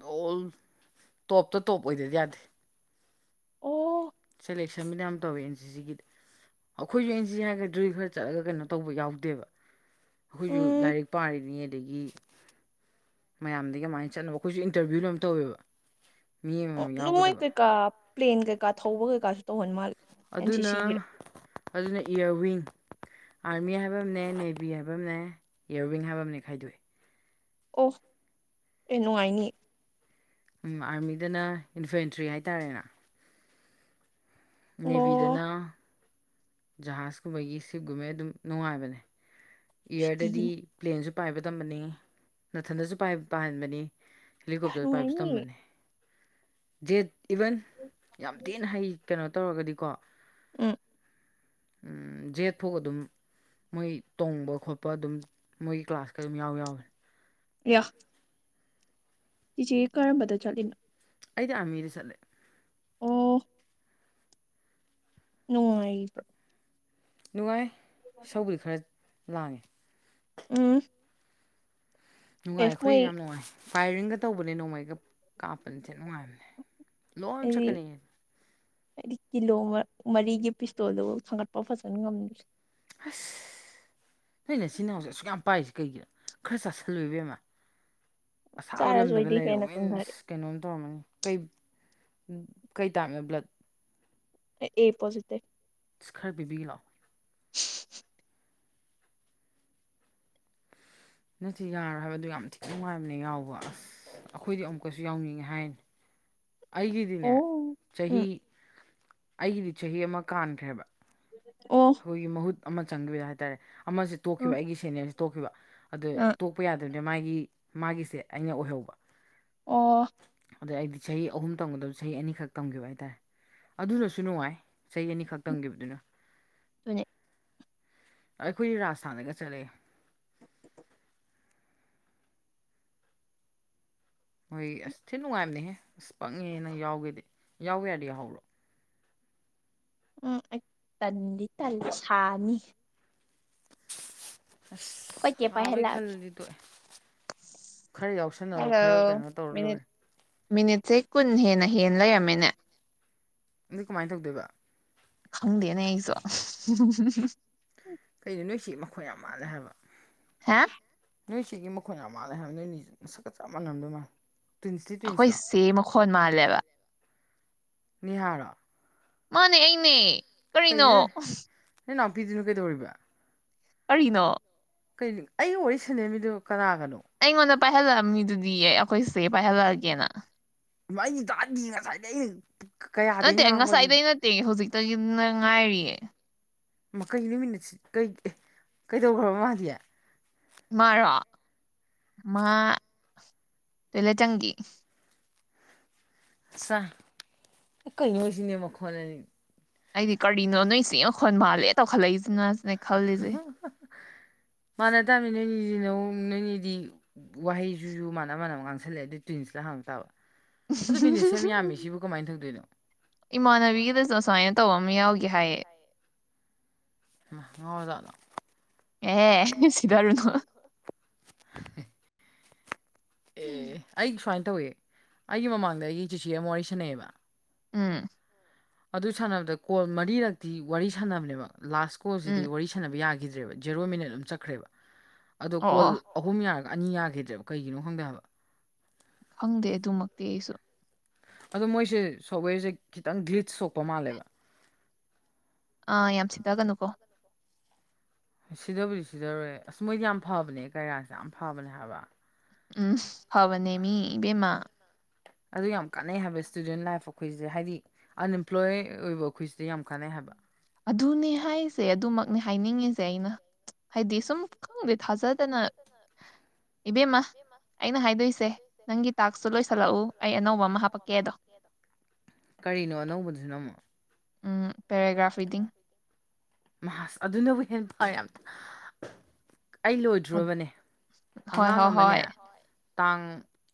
Speaker 2: ꯗꯣꯜ ꯇꯣꯞꯇ ꯇꯣꯞ ꯑꯣꯏꯗꯗꯤ ꯌꯥꯗꯦ
Speaker 1: ꯑꯣ
Speaker 2: ꯁꯦꯂꯦꯛꯁꯟꯕꯅ ꯌꯥꯝ ꯇꯧꯋꯦ ꯑꯦꯟ ꯁꯤ ꯁꯤꯒꯤꯗꯤ ꯑꯩꯈꯣꯏꯁꯨ ꯑꯦꯟꯁꯤ ꯍꯥꯏꯔꯒ ꯗꯔꯤ ꯈꯔ ꯆꯠꯂꯒ ꯀꯩꯅꯣ ꯇꯧꯕ ꯌꯥꯎꯗꯦꯕ ꯑꯩꯈꯣꯏꯁꯨ ꯂꯥꯏꯔꯤꯛ ꯄꯥꯔꯤꯅꯤ ꯑꯗꯒꯤ ꯃꯌꯥꯝꯗꯒꯤ ꯀꯃꯥꯏꯅ ꯆꯠꯅꯕ ꯑꯩꯈꯣꯏꯁꯨ ꯏꯟꯇꯔꯚꯤꯌꯨ ꯂꯣꯏ ꯇꯧꯋꯦꯕ
Speaker 1: ꯑꯣ ꯑꯗꯨꯝ ꯃꯣꯏ ꯀꯩꯀꯥ ꯄ꯭ꯂꯦꯟ ꯀꯩꯀꯥ ꯊꯧꯕ ꯀꯩꯀꯥꯁꯨ ꯇꯧꯍꯟ ꯃꯥꯜꯂꯦ
Speaker 2: ꯑꯗꯨꯅ ꯑꯗꯨꯅ ꯏꯌꯥꯔꯋꯤꯡ ꯑꯥꯔꯃꯤ ꯍꯥꯏꯕ ꯑꯃꯅꯦ ꯅꯦꯚꯤ ꯍꯥꯏꯕ ꯑꯃꯅꯦ ꯏꯌꯔꯋꯤꯡ ꯍꯥꯏꯕ ꯑꯃꯅꯦ ꯈꯥꯏꯗꯣꯛꯑꯏ
Speaker 1: ꯑꯣ ꯑꯦ ꯅꯨꯡꯉꯥꯏꯅꯤꯌꯦ
Speaker 2: ꯑꯥꯔꯃꯤꯗꯅ ꯏꯟꯐꯦꯟꯇ꯭ꯔꯤ ꯍꯥꯏꯇꯥꯥꯔꯦꯅꯦ ꯅꯦꯕꯤꯗꯅ ꯖꯍꯥꯖꯀꯨꯝꯕꯒꯤ ꯁꯤꯞꯀꯨꯝꯕꯩ ꯑꯗꯨꯝ ꯅꯨꯡꯉꯥꯏꯕꯅꯦ ꯏꯌꯥꯔꯗꯗꯤ ꯄ꯭ꯂꯦꯟꯁꯨ ꯄꯥꯏꯕ ꯇꯝꯕꯅꯤ ꯅꯥꯊꯟꯗꯁꯨ ꯄꯥꯏꯍꯟꯕꯅꯤ ꯍꯦꯂꯤꯀꯣꯞꯇꯔꯗ ꯄꯥꯏꯕꯁꯨ ꯇꯝꯕꯅꯤ ꯗꯦꯠ ꯏꯚꯟ ꯌꯥꯝ ꯇꯦꯟꯅ ꯍꯩ ꯀꯩꯅꯣ ꯇꯧꯔꯒꯗꯤꯀꯣ
Speaker 1: ꯎ
Speaker 2: ꯖꯦꯠ ꯐꯥꯎ ꯑꯗꯨꯝ ꯃꯣꯏ ꯇꯣꯡꯕ ꯈꯣꯠꯄ ꯑꯗꯨꯝ ꯃꯣꯏꯒꯤ ꯀ꯭ꯂꯥꯁꯀ ꯑꯗꯨꯝ ꯌꯥꯎ ꯌꯥꯎꯋꯦ
Speaker 1: ꯌꯥ ꯆꯦ ꯀꯅ ꯄꯗ ꯆꯜꯦꯅ
Speaker 2: ꯑꯩꯗꯤ ꯑꯥꯔꯃꯤꯗ ꯆꯠꯂꯦ
Speaker 1: ꯎꯝ ꯅꯨꯡꯉꯥꯏꯕ꯭ꯔꯣ
Speaker 2: ꯅꯨꯡꯉꯥꯏ ꯁꯧꯕ ꯈꯔ ꯂꯥꯡꯉꯦ
Speaker 1: ꯎꯝ
Speaker 2: ꯅꯨꯡꯉꯥꯏ ꯑꯩꯈꯣꯏ ꯌꯥꯝ ꯅꯨꯡꯉꯥꯏ ꯐꯥꯏꯌꯔꯤꯡꯒ ꯇꯧꯕꯅꯦ ꯅꯣꯡꯃꯩꯒ ꯀꯥꯞꯄꯅꯦꯁꯦ ꯅꯨꯡꯉꯥꯏꯕꯅꯦ ꯂꯣꯡꯨ ꯆ ꯀꯅꯤ
Speaker 1: ꯍꯥꯏꯗꯤ ꯀꯤꯂꯣ ꯃꯔꯤꯒꯤ ꯄꯤꯁꯇꯣꯜꯗꯨ ꯊꯥꯡꯒꯠꯄ ꯐꯖꯅ ꯉꯝꯗ꯭ꯔꯦ
Speaker 2: ꯑꯁ ꯅꯣꯏ ꯅ ꯁꯤ ꯅꯍꯎꯁꯦ ꯑꯁꯨꯛ ꯌꯥꯝ ꯄꯥꯏꯁꯤ ꯀꯩꯒꯤꯅꯣ ꯈꯔ ꯆꯥꯥꯁꯜꯂꯣꯏꯕꯦꯝꯃ ꯑꯁꯥꯕ ꯂꯝꯗꯒ ꯂꯩꯔ ꯃꯤꯟꯁ ꯀꯩꯅꯣꯝ ꯇꯧꯔꯝꯃꯅꯤ ꯀꯩ ꯀꯩ ꯇꯥꯡꯉꯦ ꯕ꯭ꯂꯠ
Speaker 1: ꯑꯦ ꯄꯣꯖꯤꯇꯤꯚ
Speaker 2: ꯈꯔ ꯄꯤꯕꯤ ꯂꯥꯛꯑꯣ ꯅꯁꯤ ꯌꯥꯔꯣꯏ ꯍꯥꯏꯕꯗ ꯌꯥꯝ ꯊꯤꯛ ꯅꯨꯡꯉꯥꯏꯕꯅꯦ ꯌꯥꯎꯕ ꯑ ꯑꯩꯈꯣꯏꯗꯤ ꯑꯃꯨꯛꯀꯁꯨ ꯌꯥꯎꯅꯤꯡꯉꯤ ꯍꯥꯏꯅꯤ ꯑꯩꯒꯤꯗꯤꯅꯦ ꯆꯍꯤ ꯑꯩꯒꯤꯗꯤ ꯆꯍꯤ ꯑꯃ ꯀꯥꯟꯈ꯭ꯔꯦꯕ ꯑꯩꯈꯣꯏꯒꯤ ꯃꯍꯨꯠ ꯑꯃ ꯆꯪꯈꯤꯕꯗ ꯍꯥꯏ ꯇꯔꯦ ꯑꯃꯁ ꯇꯣꯛꯈꯤꯕ ꯑꯩꯒꯤ ꯁꯦꯅꯤꯌꯔꯁꯤ ꯇꯣꯛꯈꯤꯕ ꯑꯗꯣ ꯇꯣꯛꯄ ꯌꯥꯗꯕꯗ ꯃꯥꯒꯤ ꯃꯥꯒꯤꯁꯦ ꯑꯩꯅ ꯑꯣꯏꯍꯧꯕ ꯑꯗꯩ ꯑꯩꯗꯤ ꯆꯍꯤ ꯑꯍꯨꯝ ꯇꯝꯒꯗꯕ ꯆꯍꯤ ꯑꯅꯤꯈꯛ ꯇꯝꯈꯤꯕ ꯍꯥꯏꯇꯥꯔꯦ ꯑꯗꯨꯅꯁꯨ ꯅꯨꯡꯉꯥꯏ ꯆꯍꯤ ꯑꯅꯤꯈꯛ ꯇꯝꯈꯤꯕꯗꯨꯅ
Speaker 1: ꯇꯅꯦ
Speaker 2: ꯑꯩꯈꯣꯏ ꯔꯥꯥꯁꯁꯊꯥꯟꯗꯒ ꯆꯠꯂꯦ ꯃꯣꯏ ꯑꯁ ꯊꯤꯠ ꯅꯨꯡꯉꯥꯏꯕꯅꯦꯍꯦ ꯑꯁ ꯄꯪꯉꯦ ꯅꯪ ꯌꯥꯎꯒꯦꯗꯤ ꯌꯥꯎꯦ ꯌꯥꯔꯗꯤ ꯌꯥꯍꯧꯔꯣ
Speaker 1: ꯎꯝ ꯑꯩ ꯇꯟꯗꯤ ꯇꯜ ꯁꯥꯅꯤ
Speaker 2: ꯑꯁ ꯍꯥꯋꯩ ꯈꯜꯂꯗꯤꯗꯣꯛꯑꯦ ꯈꯔ ꯌꯥꯎꯁꯟꯅꯔꯣ ꯈꯔ ꯀꯩꯅꯣ ꯇꯧꯔꯣ ꯂꯣꯏꯔꯦ
Speaker 1: ꯃꯤꯅꯤꯠꯁꯦ ꯀꯨꯟ ꯍꯦꯟꯅ ꯍꯦꯟꯅ ꯂꯩꯔꯝꯃꯤꯅꯦ
Speaker 2: ꯑꯗꯨ ꯀꯃꯥꯏꯅ ꯇꯧꯗꯣꯏꯕ
Speaker 1: ꯍꯪꯗꯦꯅꯦ ꯑꯩꯁꯨꯣ
Speaker 2: ꯀꯩꯅꯣ ꯅꯣꯏꯁꯤ ꯃꯈꯣꯏ ꯌꯥꯝ ꯃꯥꯜꯂꯦ ꯍꯥꯏꯕ ꯅꯣꯏꯁꯤꯒꯤ ꯃꯈꯣꯏꯅ ꯑꯃ ꯃꯥꯜꯂ ꯍꯥꯏꯕ ꯅꯣꯏꯅꯤ ꯃ ꯁꯛꯀꯠ ꯆꯞ ꯃꯥꯟꯅꯝꯗꯣꯏ ꯃꯥꯜꯂꯜꯂꯤ
Speaker 1: ꯑꯩꯈꯣꯏ ꯁꯦꯝꯦ ꯃꯈꯣꯟꯜ ꯃꯥꯜꯂꯦꯕ
Speaker 2: ꯅꯤꯍꯥꯔ
Speaker 1: ꯃꯥꯅꯦ ꯑꯩꯅꯦ ꯀꯔꯤꯅꯣ
Speaker 2: ꯅ ꯅꯞꯕꯤꯗꯅꯨꯀꯦꯧꯣꯏꯔꯤꯕꯥ
Speaker 1: ꯀꯔꯤꯅꯣ
Speaker 2: ꯀ ꯑꯩ ꯋꯥꯔꯤ ꯁꯟꯗꯃꯤꯗꯨ ꯀꯅꯥꯒꯅꯣ
Speaker 1: ꯄꯥꯏꯍꯜꯂꯛꯑꯃꯤꯗꯨꯗꯤ ꯑꯦ ꯑꯩꯈꯣꯏꯁꯦ ꯄꯥꯏꯍꯜꯂꯛꯑꯒꯦꯅ
Speaker 2: ꯃꯏ ꯇꯥ ꯉꯁꯥꯏꯗ
Speaker 1: ꯅꯠꯇꯦ ꯉꯁꯥꯏꯗꯩ ꯅꯠꯇꯦ ꯍꯧꯖꯤꯛꯇꯒꯤꯅ ꯉꯥꯏꯔꯤꯌꯦ
Speaker 2: ꯃꯀꯩ ꯅꯨꯃꯤꯠ ꯀꯩꯗꯧꯈ꯭ꯔꯕ ꯃꯥꯗꯤ
Speaker 1: ꯏ ꯃꯥꯔꯣ ꯃꯥ ꯇꯣꯏꯂꯦ ꯆꯪꯒꯤ
Speaker 2: ꯁꯥ ꯀꯩ ꯉꯁꯤꯅꯦ ꯃꯈ ꯈꯣꯅꯅꯤ
Speaker 1: ꯑꯩꯗꯤ ꯀꯔꯤꯅꯣ ꯅꯣꯏ ꯁꯤꯅ ꯈꯣꯟꯕꯥꯜꯂꯦ ꯇꯧꯈꯠꯂꯛꯏꯁꯤꯅ
Speaker 2: ꯃꯅ ꯇꯝꯃꯤ ꯅ ꯃꯤꯖꯤꯟꯣ ꯅꯣꯏꯒꯤꯗꯤ ꯋꯥꯍꯩꯁꯤꯁꯨ ꯃꯥꯅ ꯃꯥꯅ ꯑꯃ ꯉꯥꯡꯁꯜꯂꯛꯑꯦ ꯑꯗꯨ ꯇ꯭ꯋꯤꯟꯁꯤꯇ ꯍꯥꯡꯕ ꯇꯥꯕ ꯑꯗꯨ ꯃꯤꯅꯤꯠ ꯁꯦꯝ ꯌꯥꯝꯃꯤ ꯁꯤꯕꯨ ꯀꯃꯥꯏꯅ ꯊꯪꯗꯣꯏꯅꯣ
Speaker 1: ꯏꯃꯥꯟꯅꯕꯤꯒꯤꯗꯁꯨ ꯑꯨꯃꯥꯏꯅ ꯇꯧꯕ ꯑꯃ ꯌꯥꯎꯒꯦ ꯍꯥꯏꯌꯦ
Speaker 2: ꯃꯖꯗ
Speaker 1: ꯑꯦ ꯅꯨꯅꯨꯡꯁꯤꯗꯔꯨ ꯅ
Speaker 2: ꯑꯦ ꯑꯩ ꯁꯨꯃꯥꯏꯅ ꯇꯧꯋꯦ ꯑꯩꯒꯤ ꯃꯃꯥꯡꯗ ꯑꯩꯒꯤ ꯆꯤꯆꯦ ꯑꯃ ꯋꯥꯔꯤ ꯁꯥꯟꯅꯩꯑꯕ
Speaker 1: ꯎꯝ
Speaker 2: ꯑꯗꯨ ꯁꯥꯟꯅꯕꯗ ꯀꯣꯜ ꯃꯔꯤꯔꯛꯇꯤ ꯋꯥꯔꯤ ꯁꯥꯟꯅꯕꯅꯦꯕ ꯂꯥꯁ ꯀꯣꯜꯁꯤꯗꯤ ꯋꯥꯔꯤ ꯁꯥꯟꯅꯕ ꯌꯥꯈꯤꯗ꯭ꯔꯦ ꯠ ꯑꯅꯤ ꯌꯥꯈꯤꯗ꯭ꯔꯦꯕ ꯀꯩꯒꯤꯅꯣ ꯈꯪꯗꯕ
Speaker 1: ꯈꯪꯗꯦ ꯑꯗꯨꯃꯛꯇꯤ ꯑꯩꯁꯨ
Speaker 2: ꯑꯗꯣ ꯃꯣꯏꯁꯦ ꯁꯣꯞꯋꯦꯔꯁꯦ ꯈꯤꯇꯪ ꯒ꯭ꯂꯤꯠꯁ ꯁꯣꯛꯄ ꯃꯥꯜꯂꯦꯕ
Speaker 1: ꯑꯥ ꯌꯥꯝ ꯁꯤꯤꯊꯒꯅꯨꯀꯣ
Speaker 2: ꯁꯤꯗꯕꯨꯗꯤ ꯁꯤꯗꯔꯦ ꯑꯁ ꯃꯣꯏꯗꯤ ꯌꯥꯝ ꯐꯕꯅꯦ ꯀꯩꯔꯥꯁꯦ ꯌꯥꯝ ꯐꯕꯅꯦ ꯍꯥꯏꯕ
Speaker 1: ꯎꯝ ꯍꯕꯅꯦꯃꯤ ꯏꯕꯦꯃ
Speaker 2: ꯑꯗꯨ ꯌꯥꯝ ꯀꯥꯟꯅꯩ ꯍꯥꯏꯕ ꯏꯁꯇꯨꯗꯦꯟ ꯂꯥꯏꯐ ꯑꯩꯈꯣꯏꯁꯦ ꯍꯥꯏꯗꯤ ꯑꯟꯑꯝꯄ꯭ꯂꯣꯏ ꯑꯣꯏꯕ ꯑꯩꯈꯣꯏꯁꯤꯗ ꯌꯥꯝ ꯀꯥꯟꯅꯩ ꯍꯥꯏꯕ
Speaker 1: ꯑꯗꯨꯅꯦ ꯍꯥꯏꯁꯦ ꯑꯗꯨꯃꯛꯅꯦ ꯍꯥꯏ ꯍꯥꯏꯅꯤꯡꯉꯤꯁꯦ ꯑꯩꯅ ꯍꯥꯏꯗꯤ ꯁꯨꯝ ꯈꯪꯗꯦ ꯊꯥꯖꯗꯅ ꯏꯕꯦꯝꯃ ꯑꯩꯅ ꯍꯥꯏꯗꯣꯏꯁꯦ ꯅꯪꯒꯤ ꯇꯥꯛꯁꯁꯨ ꯂꯣꯏ ꯊꯜꯂꯛꯎ ꯑꯩ ꯑꯅꯧꯕ ꯑꯃ ꯍꯥꯄꯛꯀꯦ ꯑꯗꯣ ꯑ
Speaker 2: ꯃꯥꯁ ꯑꯗꯨꯅꯕꯨ ꯍꯦ ꯐ ꯌꯥꯝ ꯑꯩ ꯂꯣꯏꯗ꯭ꯔꯨꯕꯅꯦ ꯑꯉꯥꯡ ꯑꯃꯅꯦ ꯇꯥꯡ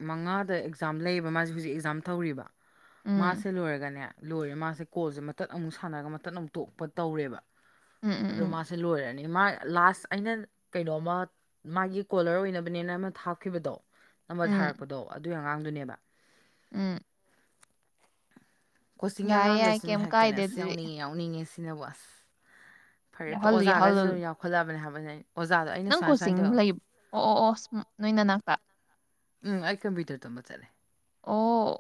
Speaker 2: ꯃꯉꯥꯗ ꯑꯦꯛꯖꯥꯝ ꯂꯩꯌꯦꯕ ꯃꯥꯁꯦ ꯍꯧꯖꯤꯛ ꯑꯦꯛꯖꯥꯝ ꯇꯧꯔꯤꯕ ꯃꯥꯁꯦ ꯂꯣꯏꯔꯒꯅꯦ ꯂꯣꯏꯔꯦ ꯃꯥꯁꯦ ꯀꯣꯜꯁꯦ ꯃꯇꯠ ꯑꯃꯨꯛ ꯁꯥꯟꯅꯔꯒ ꯃꯇꯠ ꯑꯃꯨꯛ ꯇꯣꯛꯄ ꯇꯧꯔꯦꯕ ꯑꯗꯣ ꯃꯥꯁꯦ ꯂꯣꯏꯔꯅꯤ ꯃꯥ ꯂꯥꯁ ꯑꯩꯅ ꯀꯩꯅꯣꯝꯃ ꯃꯥꯒꯤ ꯀꯣꯂꯔ ꯑꯣꯏꯅꯕꯅꯦꯅꯃ ꯊꯥꯞꯈꯤꯕꯗꯣ ꯅꯝꯕꯔ ꯊꯥꯔꯛꯄꯗꯣ ꯑꯗꯨꯒꯤ ꯑꯉꯥꯡꯗꯨꯅꯦꯕ
Speaker 1: ꯎꯝ
Speaker 2: ꯀꯣꯆꯤꯡ ꯑꯉꯥꯡꯈꯩꯁꯤꯅ ꯍꯦꯛꯇꯅꯦ ꯑꯁ ꯌꯥꯎꯅꯤꯡꯉꯦ ꯌꯥꯎꯅꯤꯡꯉꯁꯤ ꯁꯤꯅꯦꯕꯨ ꯑꯁ ꯐꯔꯦ ꯑꯣꯖꯥꯒꯁꯤꯁꯨ ꯌꯥꯎꯈꯠꯂꯕꯅꯦ ꯍꯥꯏꯕꯅꯤ ꯑꯩꯅ
Speaker 1: ꯅꯪ ꯀꯣꯆꯤꯡ ꯂꯩꯕ ꯑꯣ ꯑꯣ ꯑꯣ ꯅꯣꯏ ꯅꯅꯥꯛꯇ
Speaker 2: ꯎꯝ ꯑꯩ ꯀꯝꯄꯌꯨꯇꯔ ꯇꯝꯕ ꯆꯠꯂꯦ
Speaker 1: ꯑꯣ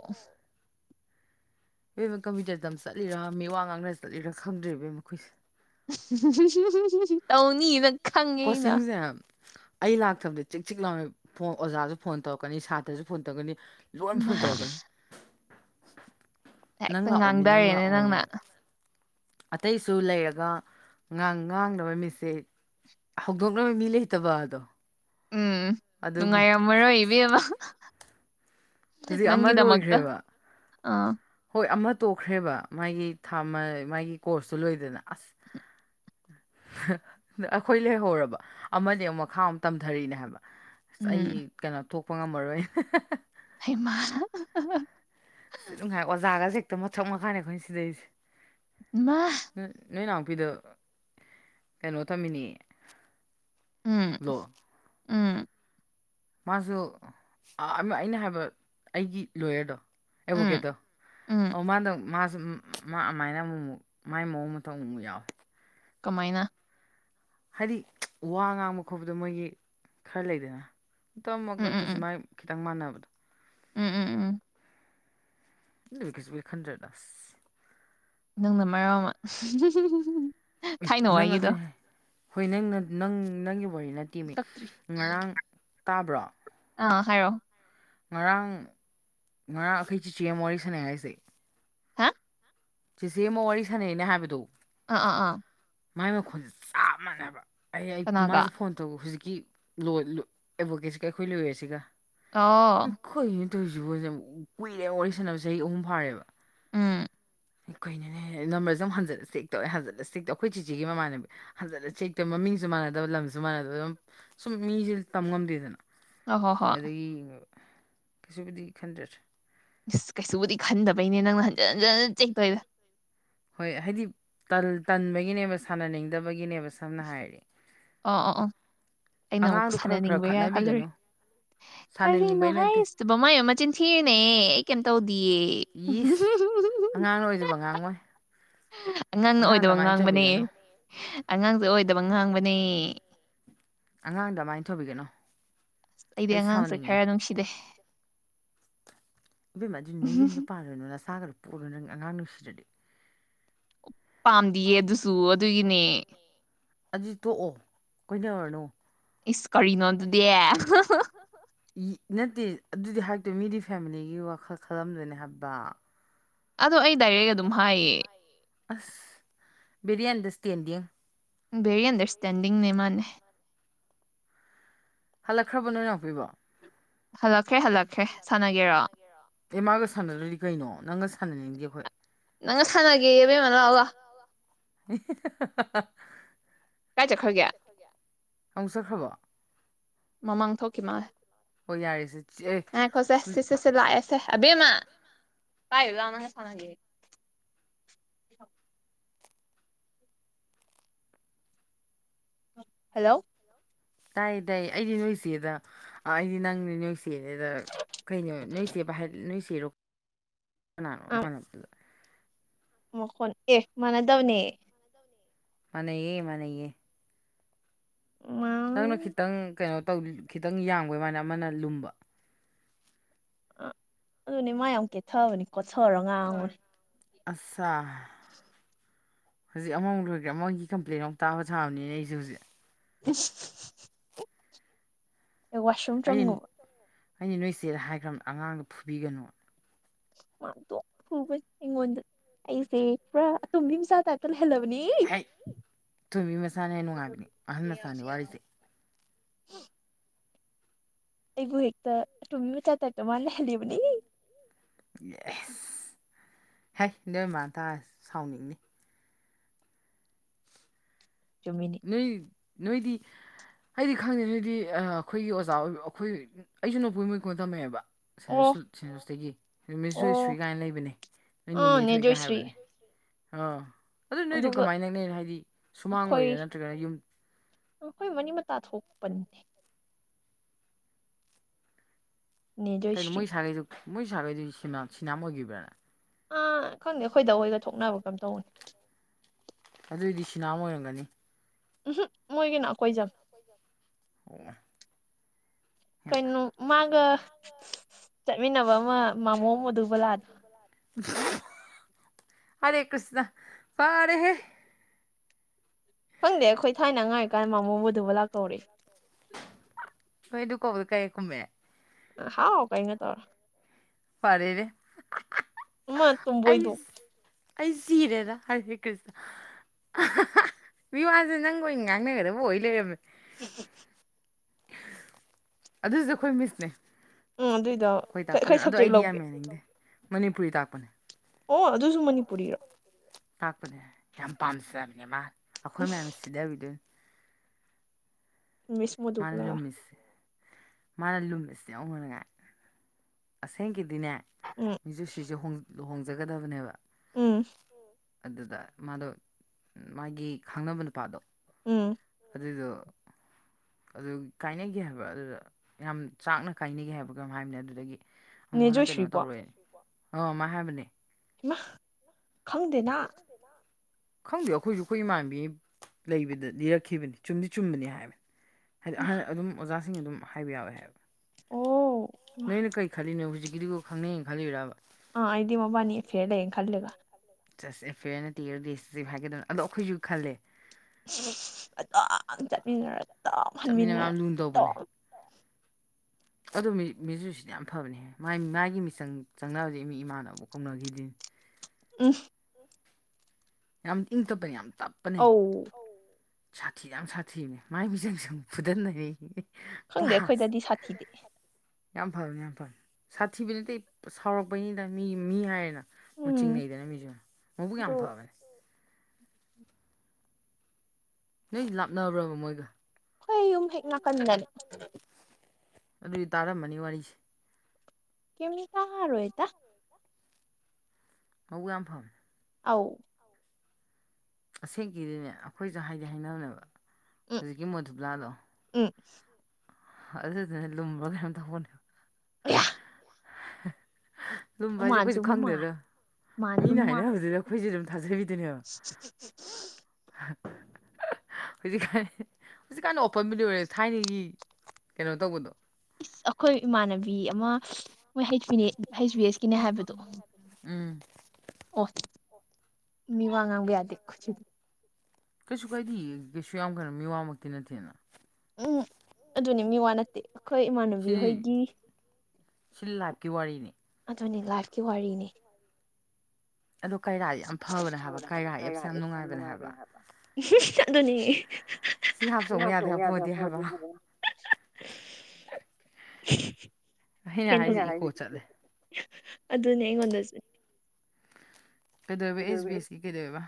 Speaker 2: ꯏꯕꯦꯝ ꯀꯝꯄ꯭ꯌꯨꯇꯔꯗꯝ ꯆꯠꯂꯤꯔꯥ ꯃꯤ ꯋꯥ ꯉꯥꯡꯅ ꯆꯠꯂꯤꯔꯥ ꯈꯪꯗ꯭ꯔꯦꯕꯦꯝ ꯑꯩꯈꯣꯏꯁꯦ
Speaker 1: ꯇꯧꯅꯤ ꯅꯪ
Speaker 2: ꯀꯣꯆꯤꯡꯁꯦ ꯑꯩ ꯂꯥꯛꯇꯕꯗꯤ ꯆꯤꯛ ꯆꯤꯛ ꯂꯥꯎ ꯐꯣꯟ ꯑꯣꯖꯥꯁꯨ ꯐꯣꯟ ꯇꯧꯔꯛꯀꯅꯤ ꯁꯥꯇ꯭ꯔꯁꯨ ꯐꯣꯟ ꯇꯧꯔꯛꯀꯅꯤ ꯂꯣꯏꯅ ꯐꯣꯟ ꯇꯧꯔꯛꯀꯅꯤ ꯅꯪ ꯂꯥꯛꯑꯣ ꯃꯤ ꯅꯪ ꯂꯥꯛꯑꯣ ꯃꯤꯅꯦ ꯑꯇꯩꯁꯨ ꯂꯩꯔꯒꯥ ꯉꯥꯡꯗꯕ ꯃꯤꯁꯦ ꯍꯧꯗꯣꯛꯅꯕ ꯃꯤ ꯂꯩꯇꯕ ꯑꯗꯣ
Speaker 1: ꯎꯝ ꯅꯨꯡꯉꯥꯏꯔꯝꯃꯔꯣꯏ ꯏꯕꯦꯝꯃ
Speaker 2: ꯍꯧꯖꯤꯛ ꯑꯃ ꯂꯣꯏꯈ꯭ꯔꯦꯕ ꯍꯣꯏ ꯑꯃ ꯇꯣꯛꯈ꯭ꯔꯦꯕ ꯃꯥꯒꯤꯥ ꯃꯥꯒꯤ ꯀꯣꯔꯁꯇꯨ ꯂꯣꯏꯗꯅ ꯑꯁ ꯑꯩꯈꯣꯏ ꯂꯩꯍꯧꯔꯕ ꯑꯃꯅꯦ ꯑꯃꯨꯛ ꯃꯈꯥ ꯑꯃꯨꯛ ꯇꯝꯊꯔꯤꯅꯦ ꯍꯥꯏꯕ ꯑꯁ ꯑꯩ ꯀꯩꯅꯣ ꯊꯣꯛꯄ ꯉꯝꯃꯔꯣꯏ
Speaker 1: ꯍꯃꯥ
Speaker 2: ꯁꯤ ꯅꯨꯡꯉꯥꯏ ꯑꯣꯖꯥꯒꯁꯦꯛꯇ ꯃꯊꯛ ꯃꯈꯥꯅꯦ ꯑꯩꯈꯣꯏꯅ ꯁꯤꯗꯩꯁꯦ ꯅꯣꯏꯅꯨ ꯅꯨꯄꯤꯗ ꯀꯩꯅꯣ ꯊꯝꯃꯤꯅꯤ
Speaker 1: ꯎꯝ ꯎꯝ
Speaker 2: ꯃꯥꯁꯨ ꯑꯩꯅ ꯍꯥꯏꯕ ꯑꯩꯒꯤ ꯂꯣꯌꯔꯗꯣ ꯑꯦꯕꯣꯀꯦꯗꯣ ꯑꯣ ꯃꯥꯗ ꯃꯥꯁꯨ ꯃꯥ ꯑꯗꯨꯃꯥꯏꯅ ꯑꯃꯨꯛ ꯑꯃꯨꯛ ꯃꯥꯏ ꯃꯑꯣꯡ ꯃꯇꯧ ꯑꯃꯨꯛ ꯑꯃꯨꯛ ꯌꯥꯎꯋꯦ
Speaker 1: ꯀꯃꯥꯏꯅ
Speaker 2: ꯍꯥꯏꯗꯤ ꯋꯥ ꯉꯥꯡꯕ ꯈꯣꯠꯄꯗꯣ ꯃꯣꯏꯒꯤ ꯈꯔ ꯂꯩꯗꯅ ꯇꯃꯛ ꯅꯠꯇ꯭ꯔꯁꯨ ꯃꯥꯏ ꯈꯤꯇꯪ ꯃꯥꯟꯅꯕꯗꯣ
Speaker 1: ꯎꯝ ꯎꯝ ꯎꯝ
Speaker 2: ꯈꯟꯗ꯭ꯔꯦꯗ ꯑꯁ
Speaker 1: ꯅꯪꯅ ꯃꯔꯣꯟ ꯑꯃ
Speaker 2: ꯑꯦ ꯅꯪ ꯑꯗꯨ ꯍꯣꯏ ꯅꯪ ꯅꯪ ꯅꯪꯒꯤ ꯋꯥꯔꯤ ꯅꯠꯇꯦꯃꯤ ꯉꯔꯥꯡ ꯇꯥꯕ꯭ꯔꯣ
Speaker 1: ꯑꯥ ꯍꯥꯏꯔꯛꯑꯣ
Speaker 2: ꯉꯔꯥꯡ ꯉꯔꯥꯡ ꯑꯩꯈꯣꯏ ꯆꯤꯆꯦ ꯑꯃ ꯋꯥꯔꯤ ꯁꯥꯟꯅꯩ ꯍꯥꯏꯁꯦ
Speaker 1: ꯍꯥ
Speaker 2: ꯆꯤꯆꯦ ꯑꯃ ꯋꯥꯔꯤ ꯁꯥꯟꯅꯩꯅꯦ ꯍꯥꯏꯕꯗꯨ
Speaker 1: ꯑꯥ ꯑꯥ ꯑꯥ
Speaker 2: ꯃꯥꯏ ꯃꯈꯣꯟꯁꯦ ꯆꯞ ꯃꯥꯟꯅꯕ ꯑꯩ ꯑꯩ ꯃꯥꯁꯦ ꯐꯣꯟ ꯇꯧ ꯍꯧꯖꯤꯛ ꯀꯤ ꯂꯣꯏ ꯑꯦꯚꯣꯀꯦꯠꯁꯤꯒ ꯑꯩꯈꯣꯏ ꯂꯣꯏꯔꯦꯁꯤꯒ
Speaker 1: ꯑꯣ
Speaker 2: ꯀꯩꯅꯣ ꯀꯨꯏꯔꯦ ꯋꯥꯔꯤ ꯁꯥꯟꯅꯕ ꯆꯍꯤ ꯑꯍꯨꯝ ꯐꯥꯔꯦꯕ
Speaker 1: ꯎꯝ
Speaker 2: ꯀꯩꯅꯣꯅꯦ ꯅꯝꯕꯔꯦ ꯑꯃꯨꯛ ꯍꯟꯖꯤꯟꯂ ꯆꯦꯛ ꯇꯧꯋꯦ ꯍꯟꯖꯤꯂ ꯆꯦꯛ ꯇꯧ ꯑꯩꯈꯣꯏ ꯆꯤꯆꯦꯒꯤ ꯃꯃꯥꯟꯅꯕꯕꯤ ꯍꯟꯖꯤꯜꯂ ꯆꯦꯛ ꯇꯧ ꯃꯃꯤꯡ ꯃꯤꯁꯨ ꯃꯥꯟꯅꯗꯕ ꯂꯝꯁꯨ ꯃꯥꯟꯅꯗꯕ ꯑꯗꯨꯝ ꯁꯨꯝ ꯃꯤꯁꯦ ꯇꯝ ꯉꯝꯗꯦꯗꯅ ꯑꯗꯒꯤ ꯌꯦꯡꯉꯕ ꯀꯩꯁꯨꯕꯨꯗꯤ ꯈꯟꯖꯗ꯭ꯔꯦ
Speaker 1: ꯁꯤ ꯀꯩꯁꯨꯕꯨꯗꯤ ꯈꯟꯗꯕꯩꯅꯦ ꯅꯪꯅ ꯍꯟꯖꯤꯟ ꯍꯟꯖꯤꯟ ꯆꯦꯛ ꯇꯧꯗꯣ
Speaker 2: ꯍꯣꯏ ꯍꯥꯏꯗꯤ ꯇꯟꯕꯒꯤꯅꯦꯕ ꯁꯥꯟꯅꯅꯤꯡꯗꯕꯒꯤꯅꯦꯕ ꯁꯝꯅ ꯍꯥꯏꯔꯗꯤ
Speaker 1: ꯑꯣ ꯑꯣ ꯑꯣ ꯑꯩꯅ ꯑꯃꯨꯛ ꯁꯥꯟꯅꯅꯤꯡꯕꯔꯥ ꯈꯜꯂꯨꯨꯔꯦ꯫ ꯀꯔꯤꯅꯣ ꯍꯥꯏꯥꯏ ꯏꯁ ꯃꯥꯏ ꯑꯣ ꯃꯆꯅ ꯊꯅꯦ ꯀꯩꯝ ꯇꯧꯗꯤꯌꯦ ꯑꯉꯥꯡꯅ ꯑꯣꯏꯗꯕ ꯉꯥꯡꯕꯅꯦ ꯑꯉꯥꯡꯁꯦ ꯑꯣꯏꯗꯕ ꯉꯥꯡꯕꯅꯦ
Speaker 2: ꯑꯉꯥꯡꯗꯃꯥꯏꯅ ꯊꯧꯕꯤꯒꯅꯣ
Speaker 1: ꯑꯁ ꯑꯩꯗꯤ ꯑꯉꯥꯡꯁꯦ ꯈꯔ ꯅꯨꯡꯁꯤꯗꯩ
Speaker 2: ꯏꯕꯦꯝꯃ ꯑꯗꯨꯗꯤ ꯅ ꯌꯨꯝꯗ ꯄꯥꯜꯂꯣꯏꯅꯨ ꯅꯁꯥꯒꯗ ꯄꯣꯛꯎꯔꯣꯏ ꯅꯪ ꯑꯉꯥꯡ ꯅꯨꯡꯁꯤꯗꯗꯤ
Speaker 1: ꯄꯥꯝꯗꯤꯌꯦ ꯑꯗꯨꯁꯨ ꯑꯗꯨꯒꯤꯅꯦ
Speaker 2: ꯑꯗꯨ ꯇꯣꯛꯑꯣ ꯀꯣꯏꯅꯔꯅꯨ
Speaker 1: ꯏꯁ ꯀꯔꯤꯅꯣ ꯑꯗꯨꯗꯤ
Speaker 2: ꯅꯠꯇꯦ ꯑꯗꯨꯗꯤ ꯍꯥꯏꯇꯣꯏ ꯃꯤꯗꯤ ꯐꯦꯃꯤꯂꯤꯒꯤ ꯋꯥꯈꯜ ꯈꯜꯂꯝꯗꯣꯏꯅꯦ ꯍꯥꯏꯕ ꯑꯁ ꯕꯤꯔꯌꯥꯅꯤꯗ ꯇꯦꯟꯗꯤ
Speaker 1: ꯕꯦꯔꯤ ꯑꯟꯗꯔꯁꯇꯦꯟꯗꯤꯡꯅꯦ ꯃꯥꯅꯦ
Speaker 2: ꯍꯜꯂꯛꯈ꯭ꯔꯕ ꯅꯣꯏ ꯅ ꯉꯥꯛꯄꯤꯕ ꯑꯦ ꯃꯥꯒ ꯁꯥꯟꯅꯗ꯭ꯔꯗꯤ ꯀꯩꯅꯣ ꯅꯪꯒ ꯁꯥꯟꯅꯅꯤꯡꯗꯦ ꯑꯩꯈꯣꯏ
Speaker 1: ꯅꯪ ꯁꯥꯟꯅꯒꯦꯕꯦꯝꯃꯅ ꯂꯥꯎꯒ
Speaker 2: ꯑꯃꯨꯛ ꯆꯠꯈ꯭ꯔꯕꯣ
Speaker 1: ꯃꯃꯥꯡ ꯊꯣꯛꯈꯤ ꯃꯥꯜꯦ ꯑꯦꯈꯣꯁꯦ ꯁꯤ ꯁꯦꯠꯁꯦ ꯂꯥꯛꯑꯦ ꯕꯃ ꯄꯥꯏꯍ ꯂ ꯑꯅꯦ ꯊꯥꯎꯉꯒꯦ ꯍꯜꯂꯣ
Speaker 2: ꯇꯥꯏ ꯇꯥꯏ ꯑꯩꯗꯤ ꯅꯣꯏꯆꯦꯗ ꯑꯩꯗꯤ ꯅꯪꯗꯤ ꯅꯣꯏꯆꯦꯗ ꯀꯩꯅꯣ ꯅꯣꯏꯁꯦ ꯍꯔ ꯂꯅꯨꯡꯏꯁꯤꯔꯣ
Speaker 1: [unintelligible]
Speaker 2: ꯅꯣ ꯇꯅꯠꯇꯗ
Speaker 1: ꯃꯈꯣꯟ ꯑꯦ ꯃꯥꯟꯅꯗꯧꯅꯦ
Speaker 2: ꯃꯅꯌꯦꯦ ꯃꯅꯌꯦꯦ
Speaker 1: ꯑꯣ
Speaker 2: ꯅꯪꯅ ꯈꯤꯇꯪ ꯀꯩꯅꯣ ꯇꯧ ꯈꯤꯇꯪ ꯌꯥꯡꯕꯩ ꯑꯗꯨꯃꯥꯏꯅ ꯑꯃꯅ ꯂꯨꯝꯕ
Speaker 1: ꯑ ꯑꯗꯨꯅꯦ ꯃꯥ ꯌꯥꯝ ꯀꯦꯊꯕꯅꯤ ꯀꯣꯠꯊꯔ ꯉꯥꯡꯕꯅꯦ
Speaker 2: ꯑꯁꯥ ꯍꯧꯖꯤꯛ ꯑꯃꯃꯨꯛ ꯂꯣꯏꯈ꯭ꯔꯦ ꯑꯃꯒꯤ ꯀꯝꯄ꯭ꯂꯦꯟ ꯑꯃꯛ ꯇꯥꯕ ꯁꯥꯕꯅꯤꯅꯦ ꯑꯩꯁꯦ ꯍꯧꯖꯤꯛ
Speaker 1: ꯑꯦ ꯋꯥꯁꯔꯨꯝ ꯆꯪꯉꯨꯕ
Speaker 2: ꯑꯩꯅꯦ ꯅꯣꯏ ꯆꯦꯠ ꯍꯥꯏꯈ꯭ꯔꯕ ꯑꯉꯥꯡꯗ ꯐꯨꯕꯤꯒꯅꯨ
Speaker 1: ꯇꯣ ꯐꯨꯕꯅꯤ ꯑꯩꯉꯣꯟꯗ ꯑꯩꯁꯦ ꯄꯨꯔꯥ ꯑꯇꯣꯝꯕꯤ ꯃꯆꯥ ꯇꯥꯏꯇ ꯂꯩ ꯍꯦꯜꯂꯕꯅꯤ ꯍ ꯑꯦꯒꯨꯍꯦꯛꯇ ꯇꯃꯤ ꯆ ꯇꯗ ꯃꯥꯜꯂ ꯍꯥꯏꯜꯂꯤꯦꯕ
Speaker 2: ꯑꯦꯁ ꯍ ꯅꯣꯏꯃꯥ ꯇꯥꯔ ꯁꯥꯎꯅꯤꯡꯅꯤ ꯅꯣꯏ ꯅꯣꯏꯗꯤ ꯑꯩꯗꯤ ꯈꯪꯗꯦ ꯅꯗꯤ ꯑꯩꯈꯣꯏꯒꯤ ꯑꯣꯖꯥ ꯑꯣꯏꯕ ꯑꯩꯈꯣꯏ ꯑꯩꯁꯨ ꯅꯄꯣꯏ ꯃꯣꯏ ꯀꯣꯟꯅ ꯇꯝꯃꯦꯑꯦꯕ ꯁꯦꯟꯖꯁ ꯁꯦꯟꯖꯣꯁꯇꯒꯤ ꯃꯤꯁꯤꯁꯨ ꯑꯩ ꯁꯨꯏ ꯀꯥꯏꯅ ꯂꯩꯕꯅꯦ ꯅꯣꯏ ꯅꯤꯅꯦ ꯊꯣꯛꯏꯒ ꯍꯥꯏꯕꯅꯦ ꯑꯥ ꯑꯗꯨ ꯅꯣꯏꯗꯤ ꯀꯃꯥꯏꯅ ꯉ ꯍꯥꯏꯗꯤ ꯁꯨꯃꯥꯡ ꯑꯣꯏꯔꯦꯅ
Speaker 1: ꯑꯩꯈꯣꯏ ꯃꯅꯤꯡ ꯃꯇꯥ ꯊꯣꯛꯄꯅꯤꯅꯦ
Speaker 2: ꯀꯩꯅꯣ ꯃꯣꯏ ꯁꯥꯔꯩꯗꯨ ꯃꯣꯏ ꯁꯥꯔꯒꯩꯗꯨ ꯁꯤꯅꯥꯝ ꯑꯣꯏꯈꯤꯕ꯭ꯔꯥꯅ
Speaker 1: ꯑ ꯈꯪꯗꯦ ꯑꯩꯈꯣꯏꯗ ꯑꯩꯣꯏꯒ ꯊꯣꯛꯅꯕ ꯀꯩꯝ ꯇꯧꯅꯤ
Speaker 2: ꯑꯗꯨꯑꯣꯏꯗꯤ ꯁꯤꯅꯥꯝ ꯑꯣꯏꯔꯝꯒꯅꯤ
Speaker 1: ꯎꯝ ꯃꯣꯏꯒꯤꯅ ꯀꯣꯏꯖꯝ
Speaker 2: ꯑꯣ
Speaker 1: ꯀꯩꯅꯣ ꯃꯥꯒ ꯆꯠꯃꯤꯟꯅꯕ ꯑꯃ ꯃꯃꯣ ꯑꯃ ꯑꯗꯨꯕ ꯂꯥꯛꯑꯗꯣ
Speaker 2: ꯍꯔ ꯀꯁꯗ ꯄꯥꯔ ꯍꯦ
Speaker 1: ꯈꯪꯗꯦ ꯑꯩꯈꯣꯏ ꯊꯥꯏꯅ ꯉꯥꯏ ꯀꯥꯟꯗ ꯃꯃꯣꯕꯨ ꯑꯗꯨꯕꯨ ꯂꯥꯛꯇꯧꯔꯤ
Speaker 2: ꯐꯗꯨ ꯀꯕꯨꯗꯨ ꯀꯥꯏ ꯀꯨꯝꯃꯦꯦ
Speaker 1: ꯍꯥꯎ ꯀꯩꯅ ꯉ ꯇꯧꯔ
Speaker 2: ꯐꯔꯦꯔꯦ
Speaker 1: ꯃꯥ ꯊꯕꯣꯏꯣꯏꯗꯨ
Speaker 2: ꯑꯩ ꯁꯤꯔꯦꯗ ꯑꯔꯦ ꯀ꯭ꯔꯤꯁ ꯃꯤ ꯋꯥꯁꯦ ꯅꯪ ꯀ ꯉꯥꯡꯅꯒꯗꯕ ꯂꯩꯔꯝꯃꯦ
Speaker 1: [unintelligible]
Speaker 2: ꯑꯗꯨꯏꯗ ꯑꯩꯈꯣꯏ ꯃꯤꯁꯅꯦ
Speaker 1: ꯎꯝ ꯑꯗꯨ ꯏꯗ
Speaker 2: ꯑꯗꯣ ꯑꯩꯗꯤ ꯌꯥꯝ ꯌꯥꯅꯤꯡꯗꯦ ꯃꯅꯤꯄꯨꯔꯤ ꯇꯥꯛꯄꯅꯦ
Speaker 1: ꯑꯣ ꯑꯗꯨꯁꯨ ꯃꯅꯤꯄꯨꯔꯤꯔꯣ
Speaker 2: ꯇꯥꯛꯄꯅꯦ ꯌꯥꯝ ꯄꯥꯝꯖꯕꯅꯦ ꯃꯥ ꯑꯩꯈꯣꯏ ꯃꯌꯥꯝ ꯁꯤꯗꯕꯤꯗꯨꯣꯏ
Speaker 1: ꯃꯤꯁꯃꯣꯗꯨꯕꯂ
Speaker 2: ꯃꯥꯅ ꯂꯨꯝꯃꯤꯕꯁꯤ ꯌꯥꯧꯅꯅꯉꯥꯏ ꯑꯁꯦꯡꯒꯤ ꯑꯗꯨꯗꯤꯅꯦ ꯃꯤꯁꯨ ꯁꯤꯁꯨꯦꯨ ꯍꯣꯡꯖꯒꯗꯕꯅꯦꯕ
Speaker 1: ꯎꯝ
Speaker 2: ꯑꯗꯨꯗ ꯃꯥꯗꯣ ꯃꯥꯒꯤ ꯈꯪꯅꯕ ꯅꯨꯄꯥꯗꯣ ꯑꯗꯨꯗ ꯑꯗꯨ ꯀꯥꯏꯅꯒꯦ ꯍꯥꯏꯕ ꯑꯗꯨꯗ ꯌꯥꯝ ꯆꯥꯛꯅ ꯀꯥꯏꯅꯒꯦ ꯍꯥꯏꯕ ꯀꯝ ꯍꯥꯏꯕꯅꯤ ꯑꯗꯨꯗꯒꯤ ꯑꯃꯨꯛ ꯍꯟꯅ ꯀꯩꯅꯣ ꯇꯧꯔꯣꯏ ꯑꯣ ꯃꯥ ꯍꯥꯏꯕꯅꯦ
Speaker 1: ꯏꯃ ꯈꯪꯗꯦꯅ
Speaker 2: ꯈꯪꯗꯦ ꯑꯩꯈꯣꯏꯁꯨ ꯑꯩꯈꯣꯏ ꯏꯃꯥꯟꯕꯤ ꯂꯩꯕꯗ ꯂꯤꯔꯛꯈꯤꯕꯅꯤ ꯆꯨꯝꯗꯤ ꯆꯨꯝꯕꯅꯤ ꯍꯥꯏꯕꯅꯤ ꯍꯥꯏꯗꯤ ꯑꯍꯟ ꯑꯗꯨꯝ ꯑꯣꯖꯥꯁꯤꯡ ꯑꯗꯨꯝ ꯍꯥꯏꯕ ꯌꯥꯎꯋꯦ ꯍꯥꯏꯕ
Speaker 1: ꯑꯣ
Speaker 2: ꯅꯣꯏꯅ ꯀꯔꯤ ꯈꯜꯂꯤꯅꯣ ꯍꯧꯖꯤꯛꯀꯤꯗꯨꯒꯣ ꯈꯪꯅꯅ ꯈꯜꯂꯤꯔꯕ
Speaker 1: ꯑꯥ ꯑꯩꯗꯤꯃꯕꯥꯅꯤ ꯐꯦꯔ ꯂꯩ ꯈꯜꯂꯦꯒ
Speaker 2: ꯆꯠꯁꯦ ꯐꯤꯌꯔꯅ ꯇꯦꯔ ꯗꯦ ꯆꯠꯁꯦ ꯍꯥꯏꯒꯗꯕꯅꯦ ꯑꯗꯣ ꯑꯩꯈꯣꯏꯁꯨ ꯈꯜꯂꯦ
Speaker 1: ꯑꯇꯥꯎ ꯆꯠꯃꯤꯟꯅꯔ ꯇꯥꯎ ꯍꯟꯃꯤꯟꯅꯔ ꯇꯥꯎ
Speaker 2: ꯑꯗꯨ ꯃꯦꯖꯤꯨꯖꯤꯛꯁꯤꯗꯤ ꯌꯥꯝ ꯐꯕꯅꯦꯍ ꯃꯥꯒꯤ ꯃꯤꯆꯪ ꯆꯪꯅꯕꯁ ꯃꯤ ꯏꯃꯥꯟꯅꯕꯕꯨꯛ ꯀꯧꯅꯈꯤꯗꯅꯤ
Speaker 1: ꯑ
Speaker 2: ꯌꯥꯝꯇꯄ ꯌꯥꯝ
Speaker 1: ꯑ
Speaker 2: ꯁꯥꯊꯤꯗ ꯌꯥꯝ ꯁꯥꯊꯤꯅꯦ ꯃꯥꯏ ꯃꯤꯖꯁꯤ ꯐꯨꯗꯟꯩ
Speaker 1: ꯈꯪꯗꯦ ꯑꯩꯈꯣꯏꯗꯗꯤ ꯁꯥꯊꯤꯗꯦ
Speaker 2: ꯌꯥꯝ ꯐꯕꯅꯤ ꯌꯥꯝ ꯐꯅꯤ ꯁꯥꯊꯤꯕ ꯅꯠꯇꯦ ꯁꯥꯎꯔꯛꯄꯩꯅꯤꯗ ꯃꯤ ꯃꯤ ꯍꯥꯏꯔꯦꯅ ꯃ ꯆꯤꯡꯅꯗꯦꯅꯕꯤꯖꯨ ꯃꯕꯨ ꯀꯃ ꯐꯕꯦꯅꯤ ꯅꯣꯏ ꯂꯥꯞꯅꯕ꯭ꯔꯕ ꯃꯣꯏꯒ
Speaker 1: ꯍꯣꯏ ꯌꯨꯝ ꯍꯦꯛ ꯅꯥꯀꯟꯗꯅꯦ
Speaker 2: ꯑꯗꯨꯏꯗꯤ ꯇꯥꯔꯝꯃꯅꯤ ꯋꯥꯔꯤꯁꯦ
Speaker 1: ꯀꯃꯤ ꯀꯔꯣ ꯑꯦꯇꯥ
Speaker 2: ꯍꯧ ꯌꯥꯝꯐꯝ
Speaker 1: ꯑꯥꯎ
Speaker 2: ꯑꯁꯦꯡꯀꯤꯗꯨꯅꯦ ꯑꯩꯈꯣꯏꯁꯨ ꯍꯥꯏꯗꯤ ꯍꯥꯏꯅꯕꯅꯦꯕ ꯍꯧꯖꯤꯛꯀꯤ ꯃꯣꯗꯨꯕꯂꯥꯗꯣ ꯑꯗꯨꯗꯨꯅꯦ ꯂꯨꯝꯕꯅꯦ ꯇꯧꯕꯅꯦꯕ ꯂꯨꯝꯝꯕ ꯍꯥꯏꯁꯦ ꯀꯈꯣꯏꯁꯨ ꯈꯪꯗꯦꯗ ꯃꯤꯅ ꯍꯥꯏꯅꯕꯅꯕꯗꯨꯗ ꯑꯩꯈꯣꯏꯁꯦ ꯑꯗꯨꯝ ꯊꯥꯖꯕꯤꯗꯨꯅꯦꯕ ꯍꯧꯖꯤꯛꯀꯥꯟ ꯍꯧꯖꯤꯛꯀꯥꯟ ꯑꯣꯄꯟꯕꯗꯤ ꯑꯣꯏꯔꯦ ꯊꯥꯏꯅꯒꯤ ꯀꯩꯅꯣ ꯇꯧꯕꯗꯣ
Speaker 1: ꯏꯁ ꯑꯩꯈꯣꯏ ꯏꯃꯥꯟꯅꯕꯤ ꯑꯃ ꯃꯣꯏ ꯍ ꯍꯩꯆ ꯕꯤ ꯑꯦꯁꯀꯤꯅꯦ ꯍꯥꯏꯕꯗꯣ
Speaker 2: ꯎꯝ
Speaker 1: ꯃꯤ ꯋꯥꯉꯥꯡꯒꯗꯣꯁꯤ
Speaker 2: ꯀꯩꯁꯨ ꯀꯥꯏꯗꯦ ꯀꯩꯁꯨ ꯌꯥꯝ ꯀꯩꯅꯣ ꯃꯤꯋꯥꯃꯛꯇꯤ ꯅꯠꯇꯦꯅ
Speaker 1: ꯎꯝ ꯑꯗꯨꯅꯤ ꯃꯤ ꯋꯥ ꯅꯠꯇꯦ ꯑꯩꯈꯣꯏ ꯏꯃꯥꯟꯅꯕꯤꯍꯣꯏꯒꯤ
Speaker 2: ꯁꯤꯜꯂꯥꯛꯀꯤ ꯋꯥꯔꯤꯅꯦ
Speaker 1: ꯑꯗꯨꯅꯤ ꯂꯥꯥꯛꯀꯤ ꯋꯥꯔꯤꯅꯤ ꯌꯥꯝ ꯐꯕꯅꯦ ꯍꯥꯏꯕ ꯀꯔꯁ ꯌꯥꯝ ꯅꯨꯡꯉꯥꯏꯕꯅ ꯍꯥꯏꯕ ꯑꯗꯨꯅꯤꯍꯥꯛꯇꯣꯡ ꯌꯥꯗꯕ ꯐꯣꯗꯤ ꯍꯥꯏꯔꯦ ꯊ ꯑꯗꯨꯅꯦ ꯑꯩꯉꯣꯟꯗꯁꯨꯦ
Speaker 2: ꯀꯩꯗꯧꯕ ꯑꯦꯁ ꯕꯤ ꯑꯦꯁꯀꯤ ꯀꯩꯗꯧꯕ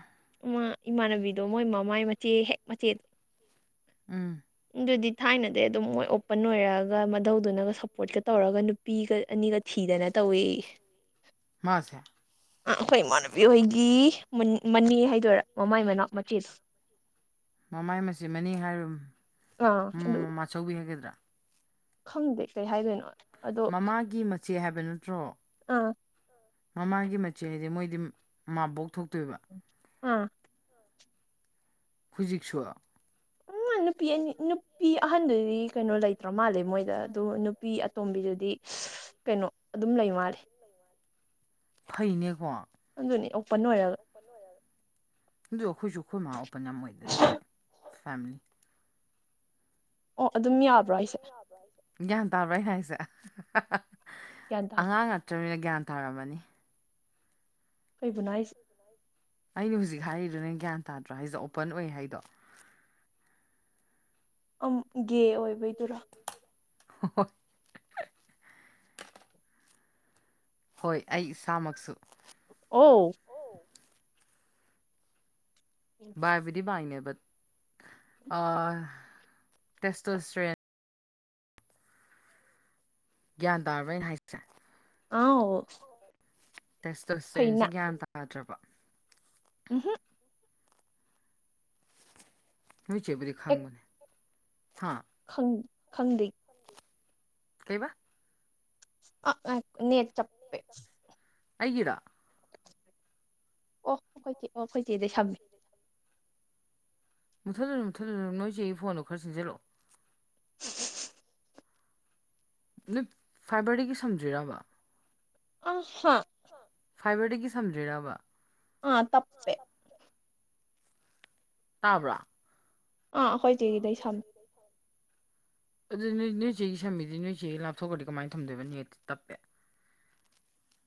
Speaker 1: ꯏꯃꯥꯟꯅꯕꯤꯗꯣ ꯃꯣꯏ ꯃꯃꯥꯏ ꯃꯆꯦ ꯍꯦꯛ ꯃꯆꯦꯗꯣ
Speaker 2: ꯑꯝ
Speaker 1: ꯑꯗꯨꯗꯤ ꯊꯥꯏꯅꯗꯤ ꯑꯗꯨꯝ ꯃꯣꯏ ꯑꯣꯄꯟ ꯑꯣꯏꯔꯛꯑꯒ ꯃꯙꯧꯗꯨꯅꯒ ꯁꯞꯄꯣꯔꯠꯀ ꯇꯧꯔꯒ ꯅꯨꯄꯤꯒ ꯑꯅꯤꯒ ꯊꯤ ꯗꯅ ꯇꯧꯋꯤ
Speaker 2: ꯃꯥꯁꯦ
Speaker 1: ꯑ ꯑꯩꯈꯣꯏ ꯏꯃꯥꯟꯅꯕꯤ ꯍꯣꯏꯒꯤ ꯃꯅꯤ ꯍꯥꯏꯗꯣꯏꯔꯥ ꯃꯃꯥ ꯏ ꯃꯅꯥꯎ ꯃꯆꯦꯁꯦ
Speaker 2: ꯃꯃꯥꯏ ꯃꯆꯦ ꯃꯅꯤ ꯍꯥꯏꯔ ꯎ ꯑꯆꯧꯕꯤ ꯍꯥꯏꯒꯗ꯭ꯔꯥ
Speaker 1: ꯈꯪꯗꯦ ꯀꯔꯤ ꯍꯥꯏꯗꯣꯏꯅꯣ
Speaker 2: ꯃꯃꯥꯒꯤ ꯃꯆꯦ ꯍꯥꯏꯕ ꯅꯠꯇ꯭ꯔꯣ
Speaker 1: ꯑꯥ
Speaker 2: ꯃꯃꯥꯡꯒꯤ ꯃꯆꯦ ꯍꯥꯏꯗꯤꯦ ꯃꯣꯏꯗꯤ ꯃꯥꯕꯣꯛ ꯊꯣꯛꯇꯣꯏꯕ
Speaker 1: ꯑꯥ
Speaker 2: ꯈꯖꯤꯛꯁꯨ
Speaker 1: ꯎ ꯅꯨꯄꯤ ꯅꯨꯄꯤ ꯅꯨ ꯑꯍꯟꯗꯨꯗꯤ ꯀꯩꯅꯣ ꯂꯩꯇ꯭ꯔ ꯃꯥꯜꯂꯦ ꯃꯣꯏꯗ ꯑꯗꯨꯣ ꯅꯨꯄꯤ ꯑꯇꯣꯝꯕꯤꯗꯨꯗꯤ ꯀꯩꯅꯣ ꯑꯗꯨꯝ ꯂꯩ ꯃꯥꯜꯂꯤꯦ
Speaker 2: ꯐꯩꯅꯦꯀꯣ ꯑꯗꯨ ꯑꯩꯈꯣꯏꯁꯨ ꯑꯩꯈꯣꯏ ꯃꯥ ꯑꯣꯄꯟ ꯌꯥꯝ ꯑꯣꯏꯗꯗꯤ ꯐꯦꯂꯤ ꯒ꯭ꯌꯥꯟ ꯇꯥꯕ꯭ꯔꯥ ꯍꯥꯏꯁꯦ ꯑꯉꯥꯡ ꯅꯥꯛꯇ꯭ꯔꯕꯅꯤꯅ ꯒ꯭ꯌꯥꯟ ꯇꯥꯔꯝꯃꯅꯤ
Speaker 1: ꯀꯩꯕꯨꯅꯥꯏꯁ
Speaker 2: ꯑꯩꯅ ꯍꯧꯖꯤꯛ ꯍꯥꯏꯔꯤꯗꯨꯅ ꯒ꯭ꯌꯥꯟ ꯇꯥꯗ꯭ꯔꯣ ꯍꯥꯏꯁꯦ ꯑꯣꯄꯟ ꯑꯣꯏ ꯍꯥꯏꯗꯣ
Speaker 1: ꯒꯦ ꯑꯣꯏꯕꯩꯗꯨꯔ
Speaker 2: ꯑꯣ ꯍꯣꯏ ꯑꯩ ꯏꯁꯥꯃꯛꯁꯨ
Speaker 1: ꯑꯣ
Speaker 2: ꯕꯥꯏꯕꯨꯗꯤ ꯕꯥꯏꯅꯦ ꯕꯠ ꯇꯦꯁꯇꯣ ꯏꯁꯇ꯭ꯔꯦꯟ ꯒ꯭ꯌꯥꯟ ꯇꯥꯔꯕ꯭ꯔ ꯑꯅ ꯍꯥꯏꯁꯦ
Speaker 1: ꯑꯥꯎ
Speaker 2: ꯇꯁ ꯇꯁ ꯇꯔꯤꯅꯁꯤꯦ ꯒ꯭ꯌꯥꯟ ꯇꯥꯗ꯭ꯔꯕ
Speaker 1: ꯎꯝꯍꯨꯝ
Speaker 2: ꯅꯣꯏ ꯆꯦꯕꯨꯗꯤ ꯈꯪꯕꯅꯦ
Speaker 1: ꯪ ꯈꯪꯗꯦ
Speaker 2: ꯀꯩꯕ
Speaker 1: ꯑ ꯅꯦ ꯆꯄꯦ
Speaker 2: ꯑꯩꯒꯗ
Speaker 1: ꯑꯣ ꯑꯩꯈꯣꯏꯆꯦ ꯑꯣ ꯑꯩꯈꯣꯏꯆꯦꯗꯩ ꯁꯝꯃꯦ
Speaker 2: ꯃꯨꯠꯊꯠꯂꯨꯨꯔꯨ ꯃꯨꯊꯠꯂꯨꯨꯔ ꯅꯣꯏꯁꯦ ꯑꯩꯒꯤ ꯐꯣꯟꯗꯣ ꯈꯔ ꯁꯤꯟꯖꯜꯂꯛꯑꯣ
Speaker 1: [inaudible]
Speaker 2: ꯅꯣꯏꯠ ꯐꯥꯏꯕꯔꯗꯒꯤ ꯁꯝꯗ꯭ꯣꯏꯔꯕ
Speaker 1: ꯑ ꯍ
Speaker 2: ꯐꯥꯏꯕꯔꯗꯒꯤ ꯁꯝꯗ꯭ꯔꯤꯔꯕ
Speaker 1: ꯑꯥ ꯇꯞꯦ
Speaker 2: ꯇꯥꯕ꯭ꯔꯥ
Speaker 1: ꯑꯥ ꯑꯩꯈꯣꯏꯆꯦꯗꯩ ꯁꯝꯃꯦ
Speaker 2: ꯑꯗꯨ ꯅꯣꯏ ꯅꯣꯏ ꯆꯦꯒꯤ ꯁꯝꯕꯤꯗꯤ ꯅꯣꯏꯆꯦ ꯑꯩ ꯂꯥꯞꯊꯣꯛꯈ꯭ꯔꯗꯤ ꯀꯃꯥꯏꯅ ꯊꯝꯗꯣꯏꯕ ꯅꯦꯠꯇꯤ ꯇꯞꯄꯦ
Speaker 1: [unintelligible]